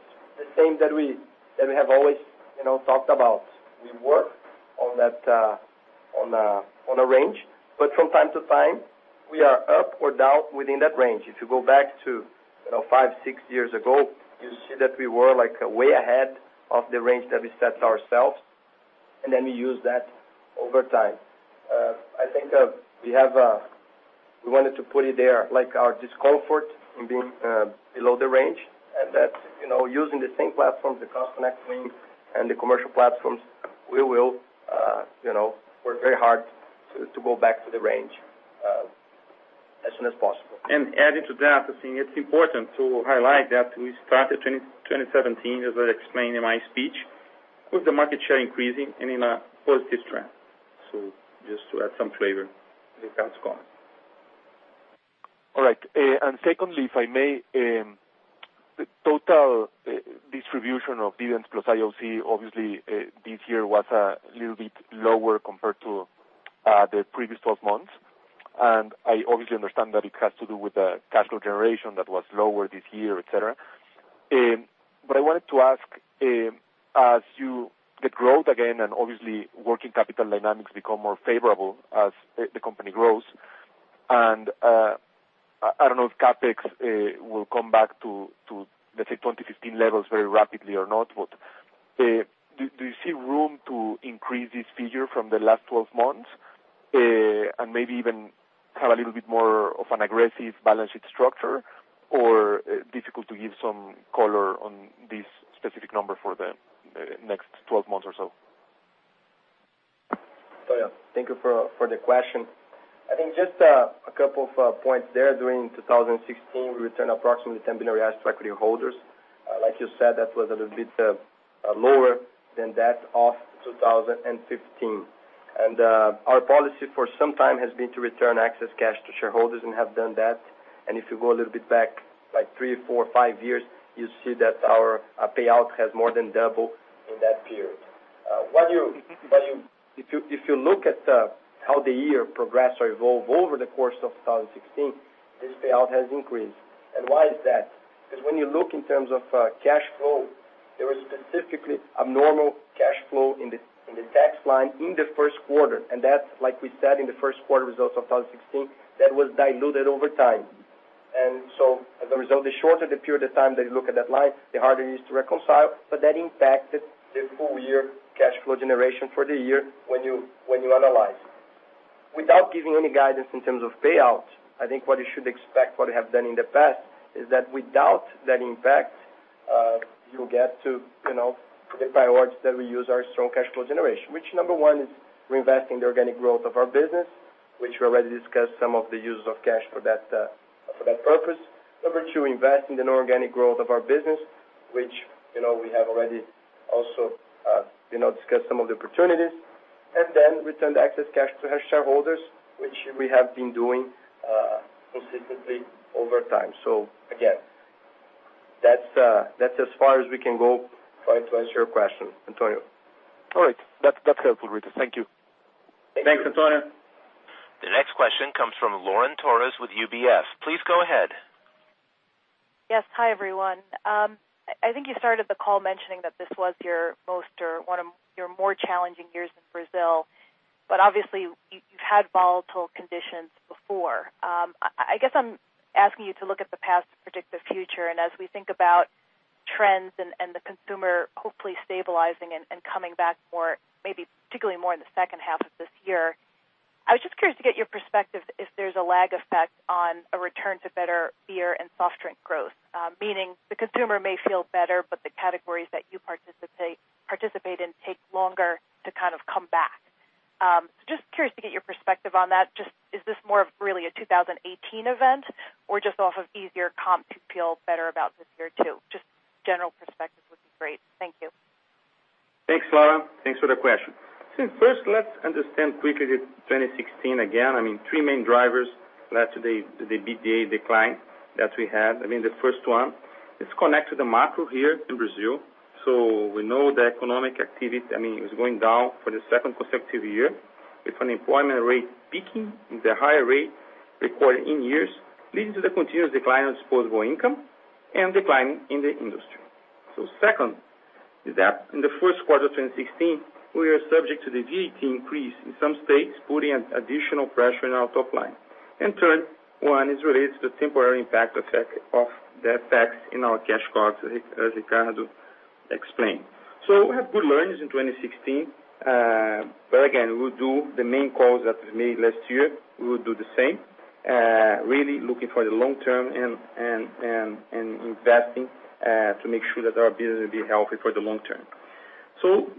same that we have always, you know, talked about. We work on that on a range, but from time to time we are up or down within that range. If you go back to, you know, five, six years ago, you see that we were like way ahead of the range that we set ourselves, and then we use that over time. I think, we have, we wanted to put it there, like our discomfort in being, below the range. That's, you know, using the same platforms, the Cost, Connect, Win and the commercial platforms, we will, you know, work very hard to go back to the range, as soon as possible. Adding to that, I think it's important to highlight that we started 2017, as I explained in my speech, with the market share increasing and in a positive trend. Just to add some flavor to that comment. All right. Secondly, if I may, the total distribution of dividends plus IOC, obviously, this year was a little bit lower compared to the previous 12 months. I obviously understand that it has to do with the cash flow generation that was lower this year, et cetera. But I wanted to ask, as you get growth again, and obviously working capital dynamics become more favorable as the company grows. I don't know if CapEx will come back to, let's say, 2015 levels very rapidly or not, but do you see room to increase this figure from the last 12 months, and maybe even have a little bit more of an aggressive balance sheet structure? Or difficult to give some color on this specific number for the next 12 months or so? Yeah. Thank you for the question. I think just a couple of points there. During 2016, we returned approximately 10 billion reais to equity holders. Like you said, that was a little bit lower than that of 2015. Our policy for some time has been to return excess cash to shareholders and have done that. If you go a little bit back, like three, four, five years, you see that our payout has more than doubled in that period. If you look at how the year progressed or evolved over the course of 2016, this payout has increased. Why is that? Because when you look in terms of cash flow, there is specifically a normal cash flow in the tax line in the first quarter, and that's like we said in the first quarter results of 2016, that was diluted over time. As a result, the shorter the period of time that you look at that line, the harder it is to reconcile, but that impacted the full year cash flow generation for the year when you analyze. Without giving any guidance in terms of payouts, I think what you should expect, what you have done in the past is that without that impact, you'll get to, you know, the priorities that we use our strong cash flow generation. Which number one is reinvesting the organic growth of our business, which we already discussed some of the uses of cash for that purpose. Number two, invest in the non-organic growth of our business, which, you know, we have already also, you know, discussed some of the opportunities. And then return the excess cash to our shareholders, which we have been doing consistently over time. So again, that's as far as we can go trying to answer your question, Antonio. All right. That's helpful, Ricardo Rittes. Thank you. Thank you. Thanks, Antonio. The next question comes from Lauren Torres with UBS. Please go ahead. Yes. Hi, everyone. I think you started the call mentioning that this was your most or one of your more challenging years in Brazil, but obviously you've had volatile conditions before. I guess I'm asking you to look at the past to predict the future. As we think about trends and the consumer hopefully stabilizing and coming back more, maybe particularly more in the second half of this year, I was just curious to get your perspective if there's a lag effect on a return to better beer and soft drink growth. Meaning the consumer may feel better, but the categories that you participate in take longer to kind of come back. Just curious to get your perspective on that. Is this more of really a 2018 event or just off of easier comps to feel better about this year too? Just general perspective would be great. Thank you. Thanks, Lauren. Thanks for the question. First, let's understand quickly the 2016 again. I mean, three main drivers led to the EBITDA decline that we had. I mean, the first one is connected to macro here in Brazil. We know the economic activity, I mean, is going down for the second consecutive year with unemployment rate peaking in the higher rate recorded in years, leading to the continuous decline of disposable income and declining in the industry. Second is that in the first quarter of 2016, we are subject to the VAT increase in some states, putting an additional pressure in our top line. Third one is related to the temporary impact effect of that tax in our cash costs, as Ricardo explained. We have good learnings in 2016. Again, we'll do the main calls that we made last year. We will do the same, really looking for the long term and investing to make sure that our business will be healthy for the long term.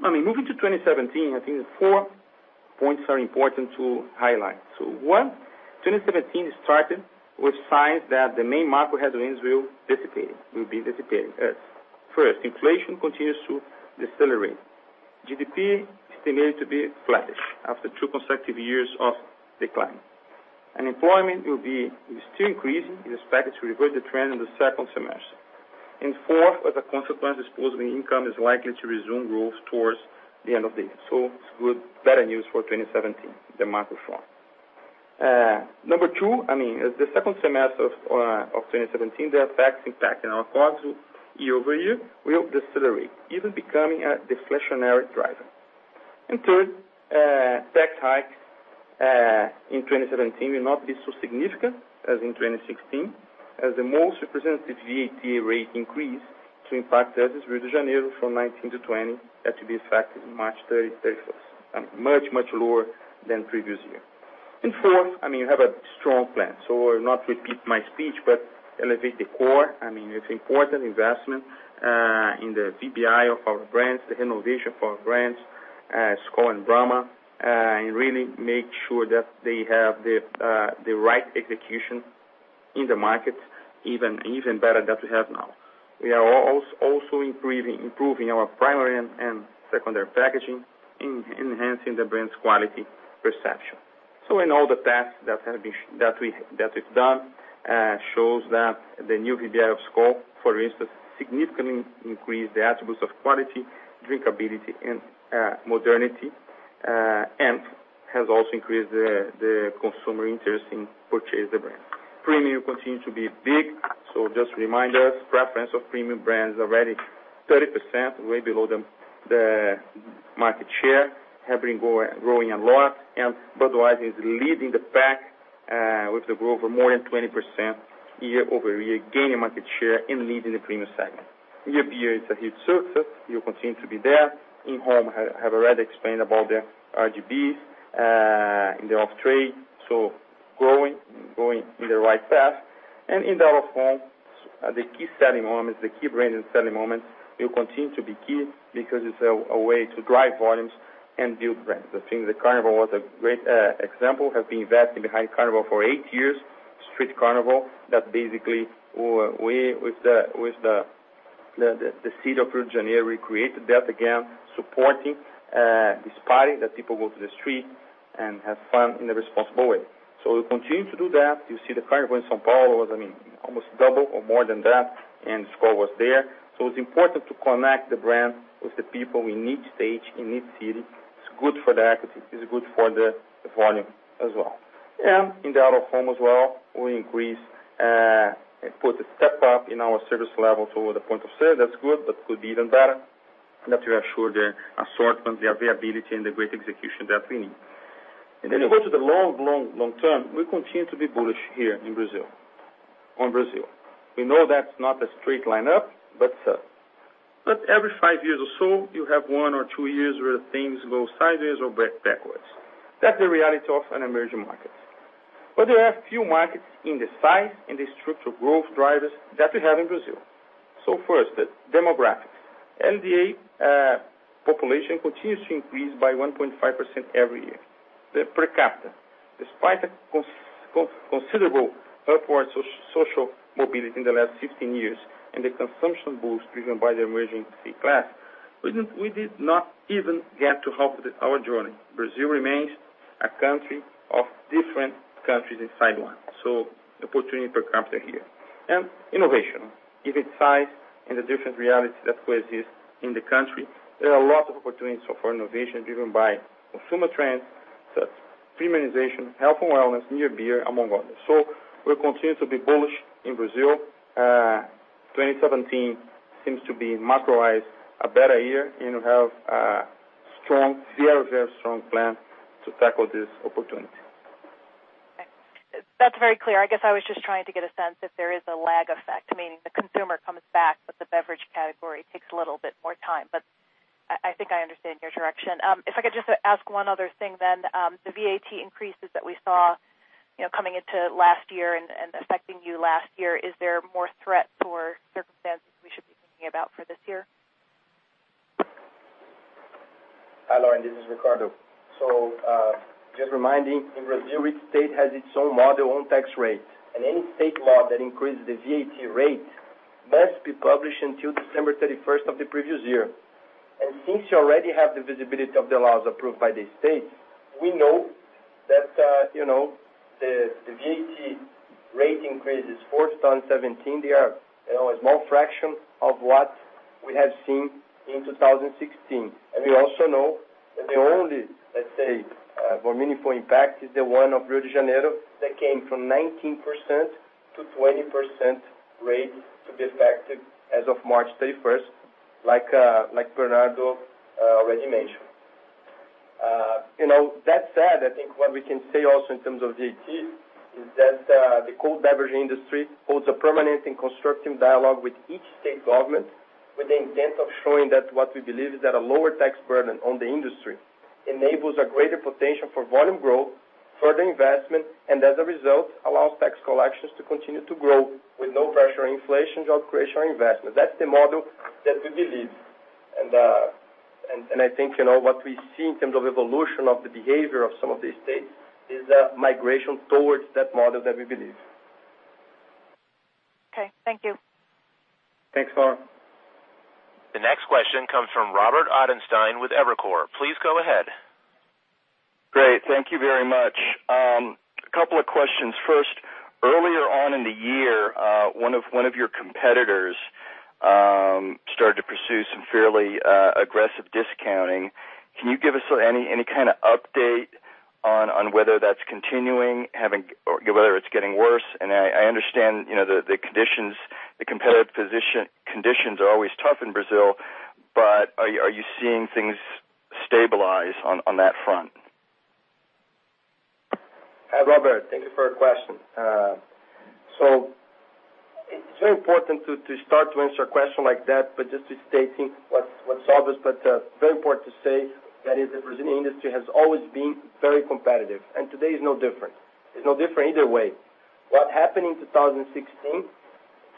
I mean, moving to 2017, I think four points are important to highlight. One, 2017 started with signs that the main macro headwinds will dissipate, will be dissipating. First, inflation continues to decelerate. GDP is estimated to be flattish after two consecutive years of decline. Unemployment is still increasing. We expect it to reverse the trend in the second semester. Fourth, as a consequence, disposable income is likely to resume growth towards the end of the year. It's good, better news for 2017, the macro front. Number two, I mean, as the second semester of 2017, the effects impacting our costs year-over-year will decelerate, even becoming a deflationary driver. Third, tax hikes in 2017 will not be so significant as in 2016, as the most representative VAT rate increase to impact us is Rio de Janeiro from 19%-20%, that will be effective March 31st, much lower than previous year. Fourth, I mean, we have a strong plan. So not repeat my speech, but Elevate the Core. I mean, it's important investment in the VBI of our brands, the innovation for our brands, Skol and Brahma, and really make sure that they have the right execution in the market even better than we have now. We are also improving our primary and secondary packaging, enhancing the brand's quality perception. In all the tests that we've done shows that the new VBI of Skol, for instance, significantly increased the attributes of quality, drinkability, and modernity, and has also increased the consumer interest in purchase the brand. Premium continue to be big. Just remind us, preference of premium brands already 30%, way below the market share, have been growing a lot. Budweiser is leading the pack with the growth of more than 20% year-over-year, gaining market share and leading the premium segment. Near beer is a huge success. We'll continue to be there. In home, have already explained about the RGBs in the off trade. Growing, going in the right path. In the out-of-home, the key selling moments, the key brand and selling moments will continue to be key because it's a way to drive volumes and build brands. I think the Carnival was a great example, have been investing behind Carnival for eight years, Street Carnival, that basically we with the city of Rio de Janeiro recreated that again, supporting this party that people go to the street and have fun in a responsible way. We'll continue to do that. You see the carnival in São Paulo was, I mean, almost double or more than that, and Skol was there. It's important to connect the brand with the people in each stage, in each city. It's good for the equity. It's good for the volume as well. In the out-of-home as well, we increase and put a step up in our service level to the point of sale. That's good, but could be even better. That we are sure the assortment, the availability and the great execution that we need. Then you go to the long term, we continue to be bullish here in Brazil, on Brazil. We know that's not a straight line up, but every five years or so, you have one or two years where things go sideways or backwards. That's the reality of an emerging market. There are few markets in the size and the structure growth drivers that we have in Brazil. First, demographics. LDA population continues to increase by 1.5% every year. The per capita, despite a considerable upward social mobility in the last 15 years, and the consumption boost driven by the emerging C class, we did not even get to half of our journey. Brazil remains a country of different countries inside one. Opportunity per capita here. Innovation. Given size and the different reality that coexist in the country, there are a lot of opportunities for innovation driven by consumer trends, such as feminization, health and wellness, near beer, among others. We continue to be bullish in Brazil. 2017 seems to be macro-wise a better year, and we have a strong, very, very strong plan to tackle this opportunity. Okay. That's very clear. I guess I was just trying to get a sense if there is a lag effect, meaning the consumer comes back, but the beverage category takes a little bit more time. I think I understand your direction. If I could just ask one other thing then, the VAT increases that we saw, you know, coming into last year and affecting you last year, is there more threat or circumstances we should be thinking about for this year? Hi Lauren, this is Ricardo. Just reminding, in Brazil, each state has its own model, own tax rate. Any state law that increases the VAT rate must be published until December 31st of the previous year. Since you already have the visibility of the laws approved by the state, we know that, you know, the VAT rate increases for 2017, they are, you know, a small fraction of what we have seen in 2016. We also know that the only, let's say, more meaningful impact is the one of Rio de Janeiro that came from 19%-20% rate to be effective as of March 31st, like Bernardo already mentioned. You know, that said, I think what we can say also in terms of VAT is that the cold beverage industry holds a permanent and constructive dialogue with each state government with the intent of showing that what we believe is that a lower tax burden on the industry enables a greater potential for volume growth, further investment, and as a result, allows tax collections to continue to grow with no pressure on inflation, job creation, or investment. That's the model that we believe. I think, you know, what we see in terms of evolution of the behavior of some of these states is a migration towards that model that we believe. Okay. Thank you. Thanks, Lauren. The next question comes from Robert Ottenstein with Evercore. Please go ahead. Great. Thank you very much. A couple of questions. First, earlier on in the year, one of your competitors started to pursue some fairly aggressive discounting. Can you give us any kind of update on whether that's continuing or whether it's getting worse? I understand, you know, the conditions, the competitive position conditions are always tough in Brazil, but are you seeing things stabilize on that front? Hi, Robert. Thank you for your question. So it's very important to start to answer a question like that, but just to stating what's obvious, but very important to say that is the Brazilian industry has always been very competitive, and today is no different. It's no different either way. What happened in 2016,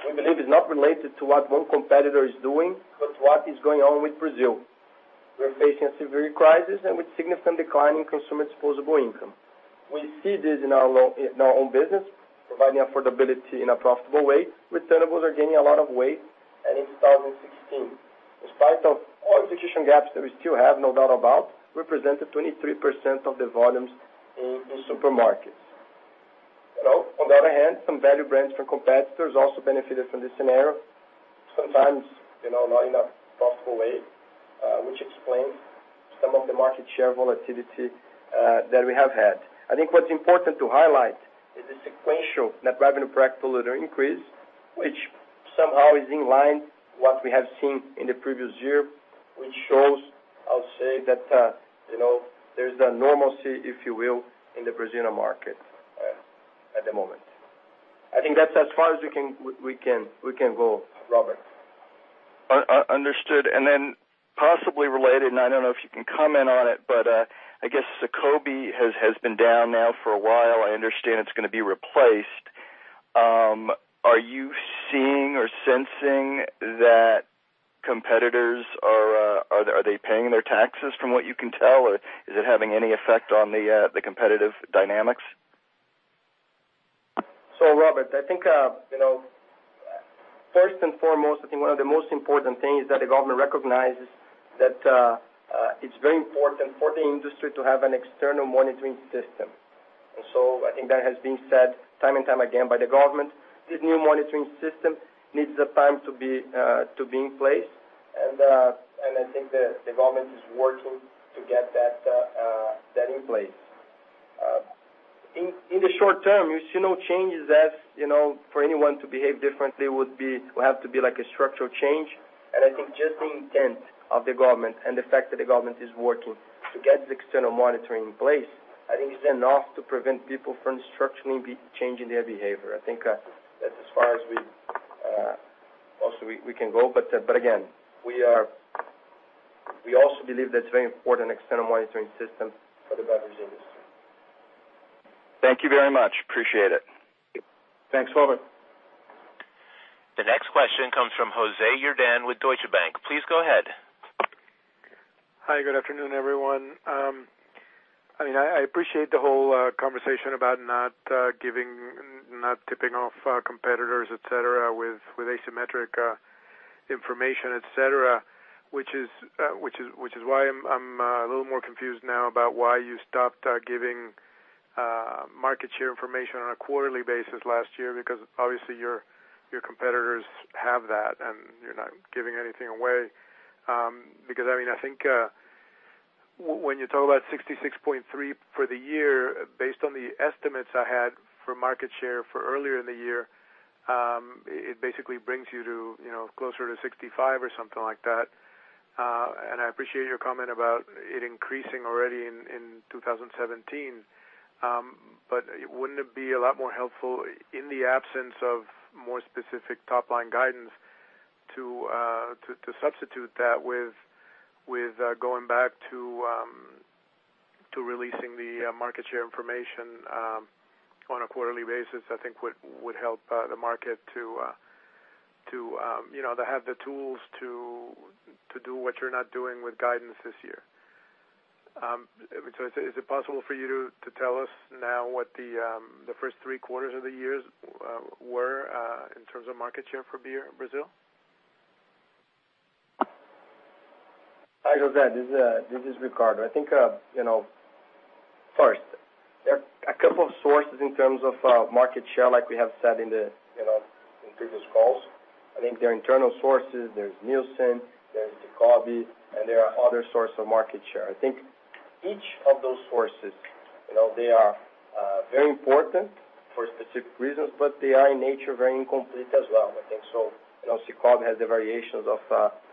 we believe is not related to what one competitor is doing, but what is going on with Brazil. We're facing a severe crisis and with significant decline in consumer disposable income. We see this in our own business, providing affordability in a profitable way. Returnables are gaining a lot of weight, and in 2016. In spite of all execution gaps that we still have, no doubt about, represented 23% of the volumes in the supermarkets. You know, on the other hand, some value brands from competitors also benefited from this scenario. Sometimes, you know, not in a profitable way, which explains some of the market share volatility that we have had. I think what's important to highlight is the sequential net revenue per hectoliter increase, which somehow is in line what we have seen in the previous year, which shows, I'll say that, you know, there's a normalcy, if you will, in the Brazilian market at the moment. I think that's as far as we can go, Robert. Understood. Possibly related, I don't know if you can comment on it, but I guess SICOBE has been down now for a while. I understand it's gonna be replaced. Are you seeing or sensing that competitors are they paying their taxes from what you can tell, or is it having any effect on the competitive dynamics? Robert, I think, you know, first and foremost, I think one of the most important things that the government recognizes that it's very important for the industry to have an external monitoring system. I think that has been said time and time again by the government. This new monitoring system needs the time to be in place. I think the government is working to get that in place. In the short term, you see no changes as, you know, for anyone to behave differently would have to be like a structural change. I think just the intent of the government and the fact that the government is working to get the external monitoring in place, I think is enough to prevent people from structurally changing their behavior. I think that as far as we can go. Again, we also believe that's a very important external monitoring system for the beverage industry. Thank you very much. Appreciate it. Thank you. Thanks, Robert. The next question comes from Jose Yordan with Deutsche Bank. Please go ahead. Hi, good afternoon, everyone. I mean, I appreciate the whole conversation about not tipping off competitors, et cetera, with asymmetric information, et cetera. Which is why I'm a little more confused now about why you stopped giving market share information on a quarterly basis last year, because obviously your competitors have that, and you're not giving anything away. Because I mean, I think, when you talk about 66.3% for the year, based on the estimates I had for market share for earlier in the year, it basically brings you to, you know, closer to 65% or something like that. And I appreciate your comment about it increasing already in 2017. Wouldn't it be a lot more helpful in the absence of more specific top line guidance to substitute that with going back to releasing the market share information on a quarterly basis? I think would help the market, you know, to have the tools to do what you're not doing with guidance this year. Is it possible for you to tell us now what the first three quarters of the years were in terms of market share for beer in Brazil? Hi, Jose. This is Ricardo. I think you know, first, there are a couple of sources in terms of market share like we have said in the, you know, in previous calls. I think there are internal sources. There's Nielsen, there's SICOBE, and there are other source of market share. I think each of those sources, you know, they are very important for specific reasons, but they are in nature very incomplete as well. I think so. You know, SICOBE has the variations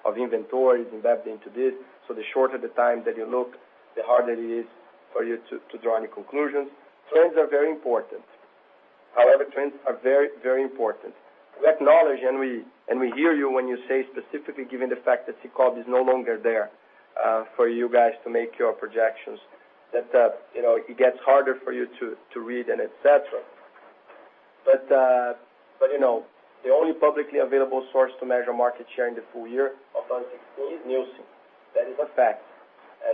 of inventories and that into this. The shorter the time that you look, the harder it is for you to draw any conclusions. Trends are very important. However, trends are very, very important. We acknowledge and we hear you when you say specifically, given the fact that SICOBE is no longer there, for you guys to make your projections, that you know, it gets harder for you to read and et cetera. You know, the only publicly available source to measure market share in the full year of 2016 is Nielsen. That is a fact.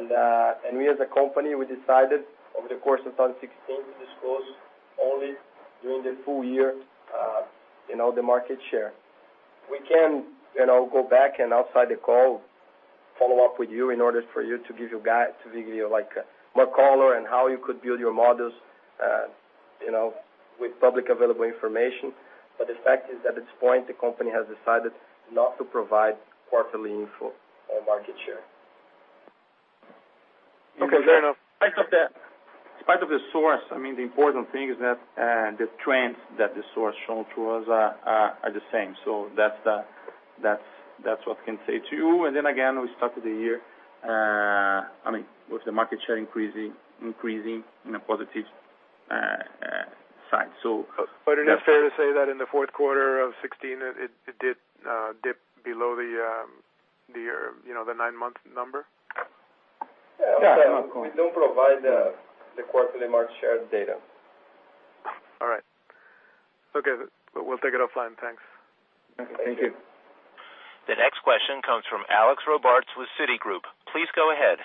We as a company decided over the course of 2016 to disclose only during the full year, you know, the market share. We can, you know, go back and outside the call, follow up with you in order to give you like more color and how you could build your models, you know, with publicly available information. The fact is, at this point, the company has decided not to provide quarterly info on market share. Okay. In spite of the source, I mean, the important thing is that the trends that the source shown to us are the same. That's what I can say to you. Again, we started the year, I mean, with the market share increasing in a positive sign. Is it fair to say that in the fourth quarter of 2016 it did dip below the year, you know, the nine-month number? Yeah. Yeah. We don't provide the quarterly market share data. All right. Okay. We'll take it offline. Thanks. Thank you. Thank you. The next question comes from Alexander Robarts with Citigroup. Please go ahead.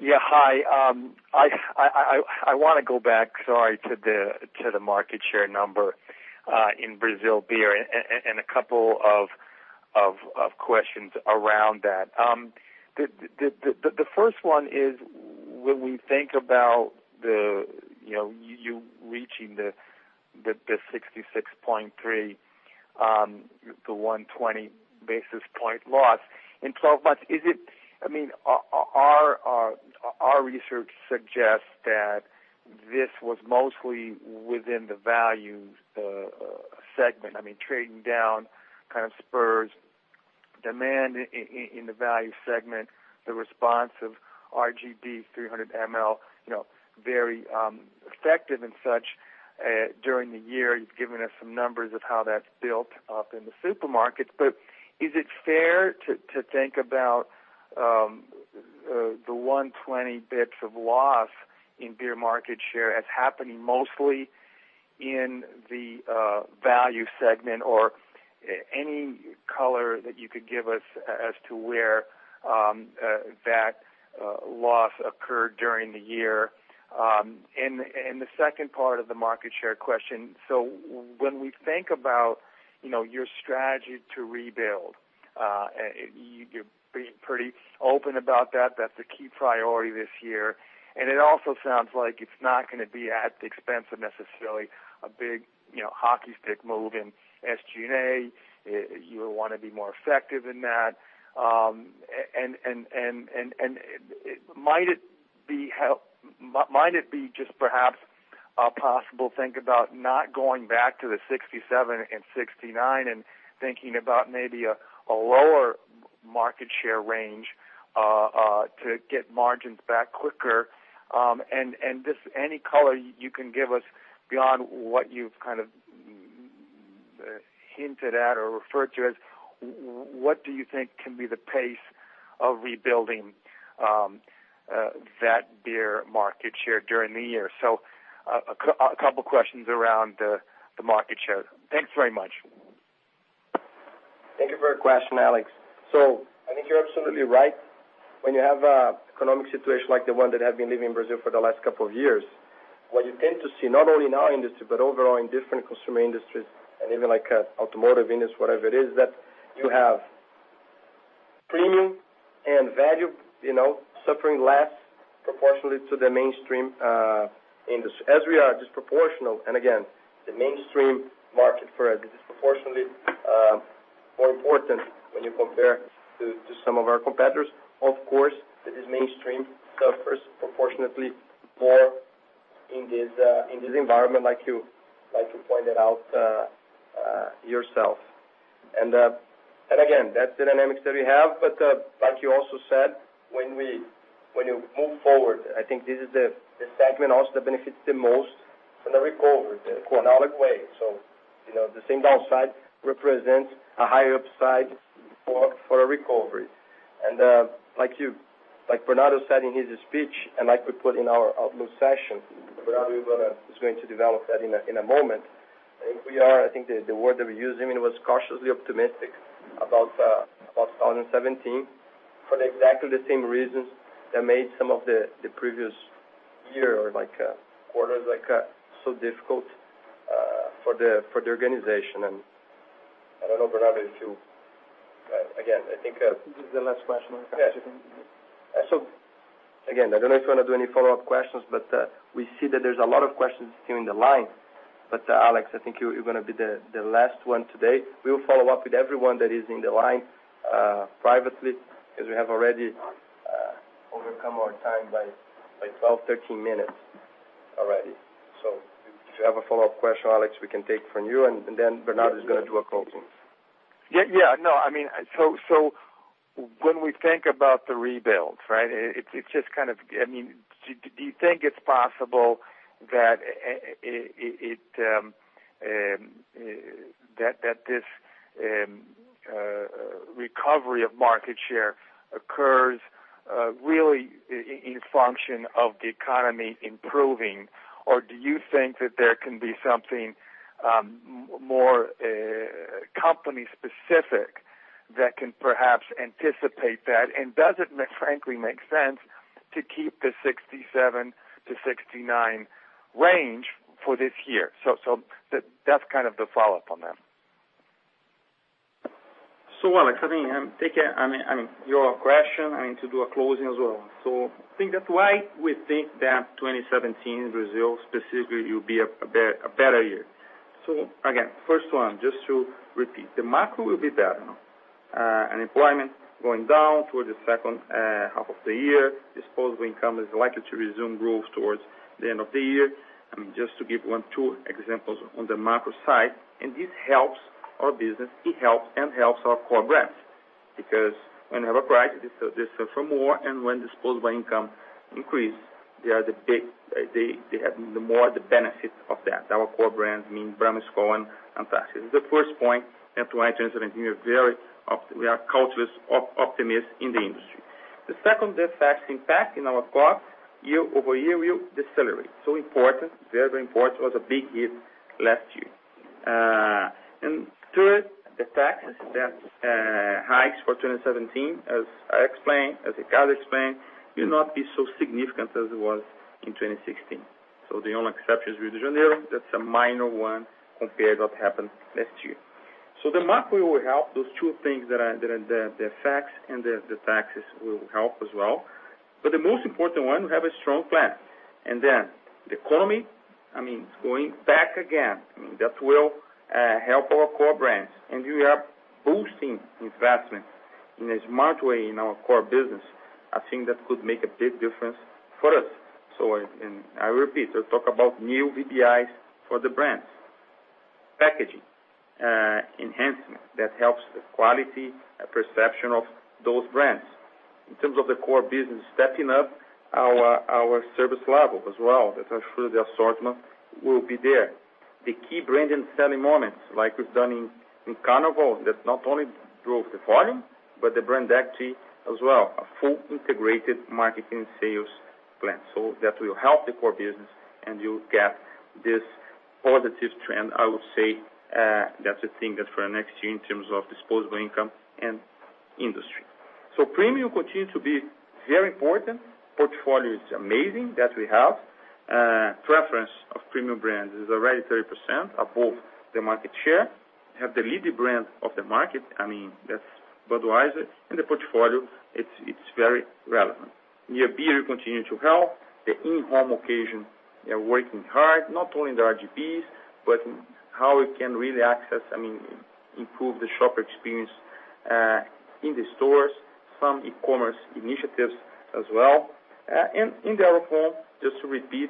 Yeah, hi. I wanna go back, sorry, to the market share number in Brazil beer and a couple of questions around that. The first one is when we think about you reaching the 66.3, the 120 basis point loss in 12 months, is it—I mean, our research suggests that this was mostly within the value segment. I mean, trading down kind of spurs demand in the value segment, the response of RGB 300 ml, you know, very effective and such during the year. You've given us some numbers of how that's built up in the supermarkets. Is it fair to think about the 120 basis points of loss in beer market share as happening mostly in the value segment? Or Any color that you could give us as to where that loss occurred during the year. The second part of the market share question. When we think about, you know, your strategy to rebuild, you're being pretty open about that's a key priority this year. It also sounds like it's not gonna be at the expense of necessarily a big, you know, hockey stick move in SG&A. You would wanna be more effective in that. Might it be just perhaps a possible thing to think about not going back to the 67% and 69%, and thinking about maybe a lower market share range to get margins back quicker, and just any color you can give us beyond what you've kind of hinted at or referred to as, what do you think can be the pace of rebuilding that beer market share during the year? A couple questions around the market share. Thanks very much. Thank you for your question, Alex. I think you're absolutely right. When you have an economic situation like the one we've been living in Brazil for the last couple of years, what you tend to see not only in our industry, but overall in different consumer industries, and even like automotive industry, whatever it is, that you have premium and value, you know, suffering less proportionately to the mainstream industry. As we are disproportional, and again, the mainstream market for it is disproportionately more important when you compare to some of our competitors. Of course, it is mainstream, suffers proportionately more in this environment like you pointed out yourself. Again, that's the dynamics that we have. Like you also said, when you move forward, I think this is the segment also that benefits the most from the recovery in the economy. You know, the same downside represents a high upside for a recovery. Like Bernardo said in his speech, and like we put in our outlook session, Bernardo is going to develop that in a moment. I think the word that we use, I mean, it was cautiously optimistic about 2017 for exactly the same reasons that made some of the previous year or like quarters like so difficult for the organization. I don't know, Bernardo, if you again, I think. This is the last question. Again, I don't know if you wanna do any follow-up questions, but we see that there's a lot of questions still in the line. But Alex, I think you're gonna be the last one today. We'll follow up with everyone that is in the line privately, as we have already overcome our time by 12, 13 minutes already. If you have a follow-up question, Alex, we can take from you, and then Bernardo is gonna do a closing. I mean, when we think about the rebuilds, right? It's just kind of, I mean, do you think it's possible that this recovery of market share occurs really in function of the economy improving, or do you think that there can be something more company specific that can perhaps anticipate that? Does it frankly make sense to keep the 67%-69% range for this year? That's kind of the follow-up on that. Alex, I mean your question. I need to do a closing as well. I think that's why we think that 2017 Brazil specifically will be a better year. Again, first one, just to repeat. The macro will be better. Unemployment going down toward the second half of the year. Disposable income is likely to resume growth towards the end of the year. I mean, just to give one, two examples on the macro side, and this helps our business, it helps and helps our core brands. Because when you have a price, they sell for more, and when disposable income increase, they have the more the benefit of that. Our core brands mean Brahma, Skol and Antarctica. The first point as to why we are cautiously optimistic in the industry. The second, the tax impact in our costs year-over-year will decelerate. Important, very, very important. It was a big hit last year. Third, the tax hikes for 2017, as I explained, as Ricardo explained, will not be so significant as it was in 2016. The only exception is Rio de Janeiro, that's a minor one compared to what happened last year. The macro will help those two things, the effects and the taxes will help as well. The most important one, we have a strong plan. Then the economy, I mean, it's going back again, I mean, that will help our core brands. We are boosting investment in a smart way in our core business. I think that could make a big difference for us. I repeat, I talk about new VBIs for the brands. Packaging enhancement that helps the quality perception of those brands. In terms of the core business, stepping up our service level as well, that are through the assortment will be there. The key brand and selling moments like we've done in Carnival, that not only drove the volume, but the brand equity as well, a full integrated market and sales plan. That will help the core business, and you'll get this positive trend, I would say, that's the thing that for next year in terms of disposable income and industry. Premium continues to be very important. Portfolio is amazing that we have. The preference for premium brands is already 30% above the market share. We have the leading brand of the market, I mean, that's Budweiser, and the portfolio, it's very relevant. Beer continues to help the in-home occasions. They're working hard, not only in the RGBs, but how we can really access, I mean, improve the shopper experience in the stores. Some e-commerce initiatives as well. In the out-of-home, just to repeat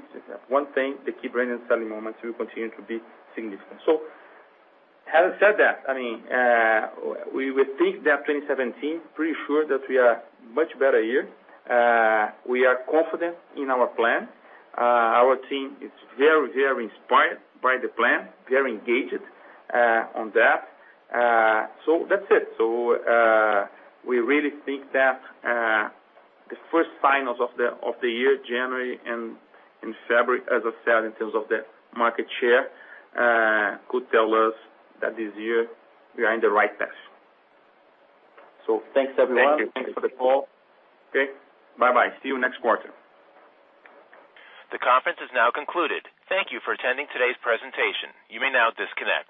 one thing, the key brands and selling moments will continue to be significant. Having said that, I mean, we think that 2017 will be a much better year. We are confident in our plan. Our team is very inspired by the plan, very engaged on that. That's it. We really think that the first signs of the year, January and in February, as I said, in terms of the market share, could tell us that this year we are in the right path. Thanks, everyone. Thank you. Thanks for the call. Okay. Bye-bye. See you next quarter. The conference is now concluded. Thank you for attending today's presentation. You may now disconnect.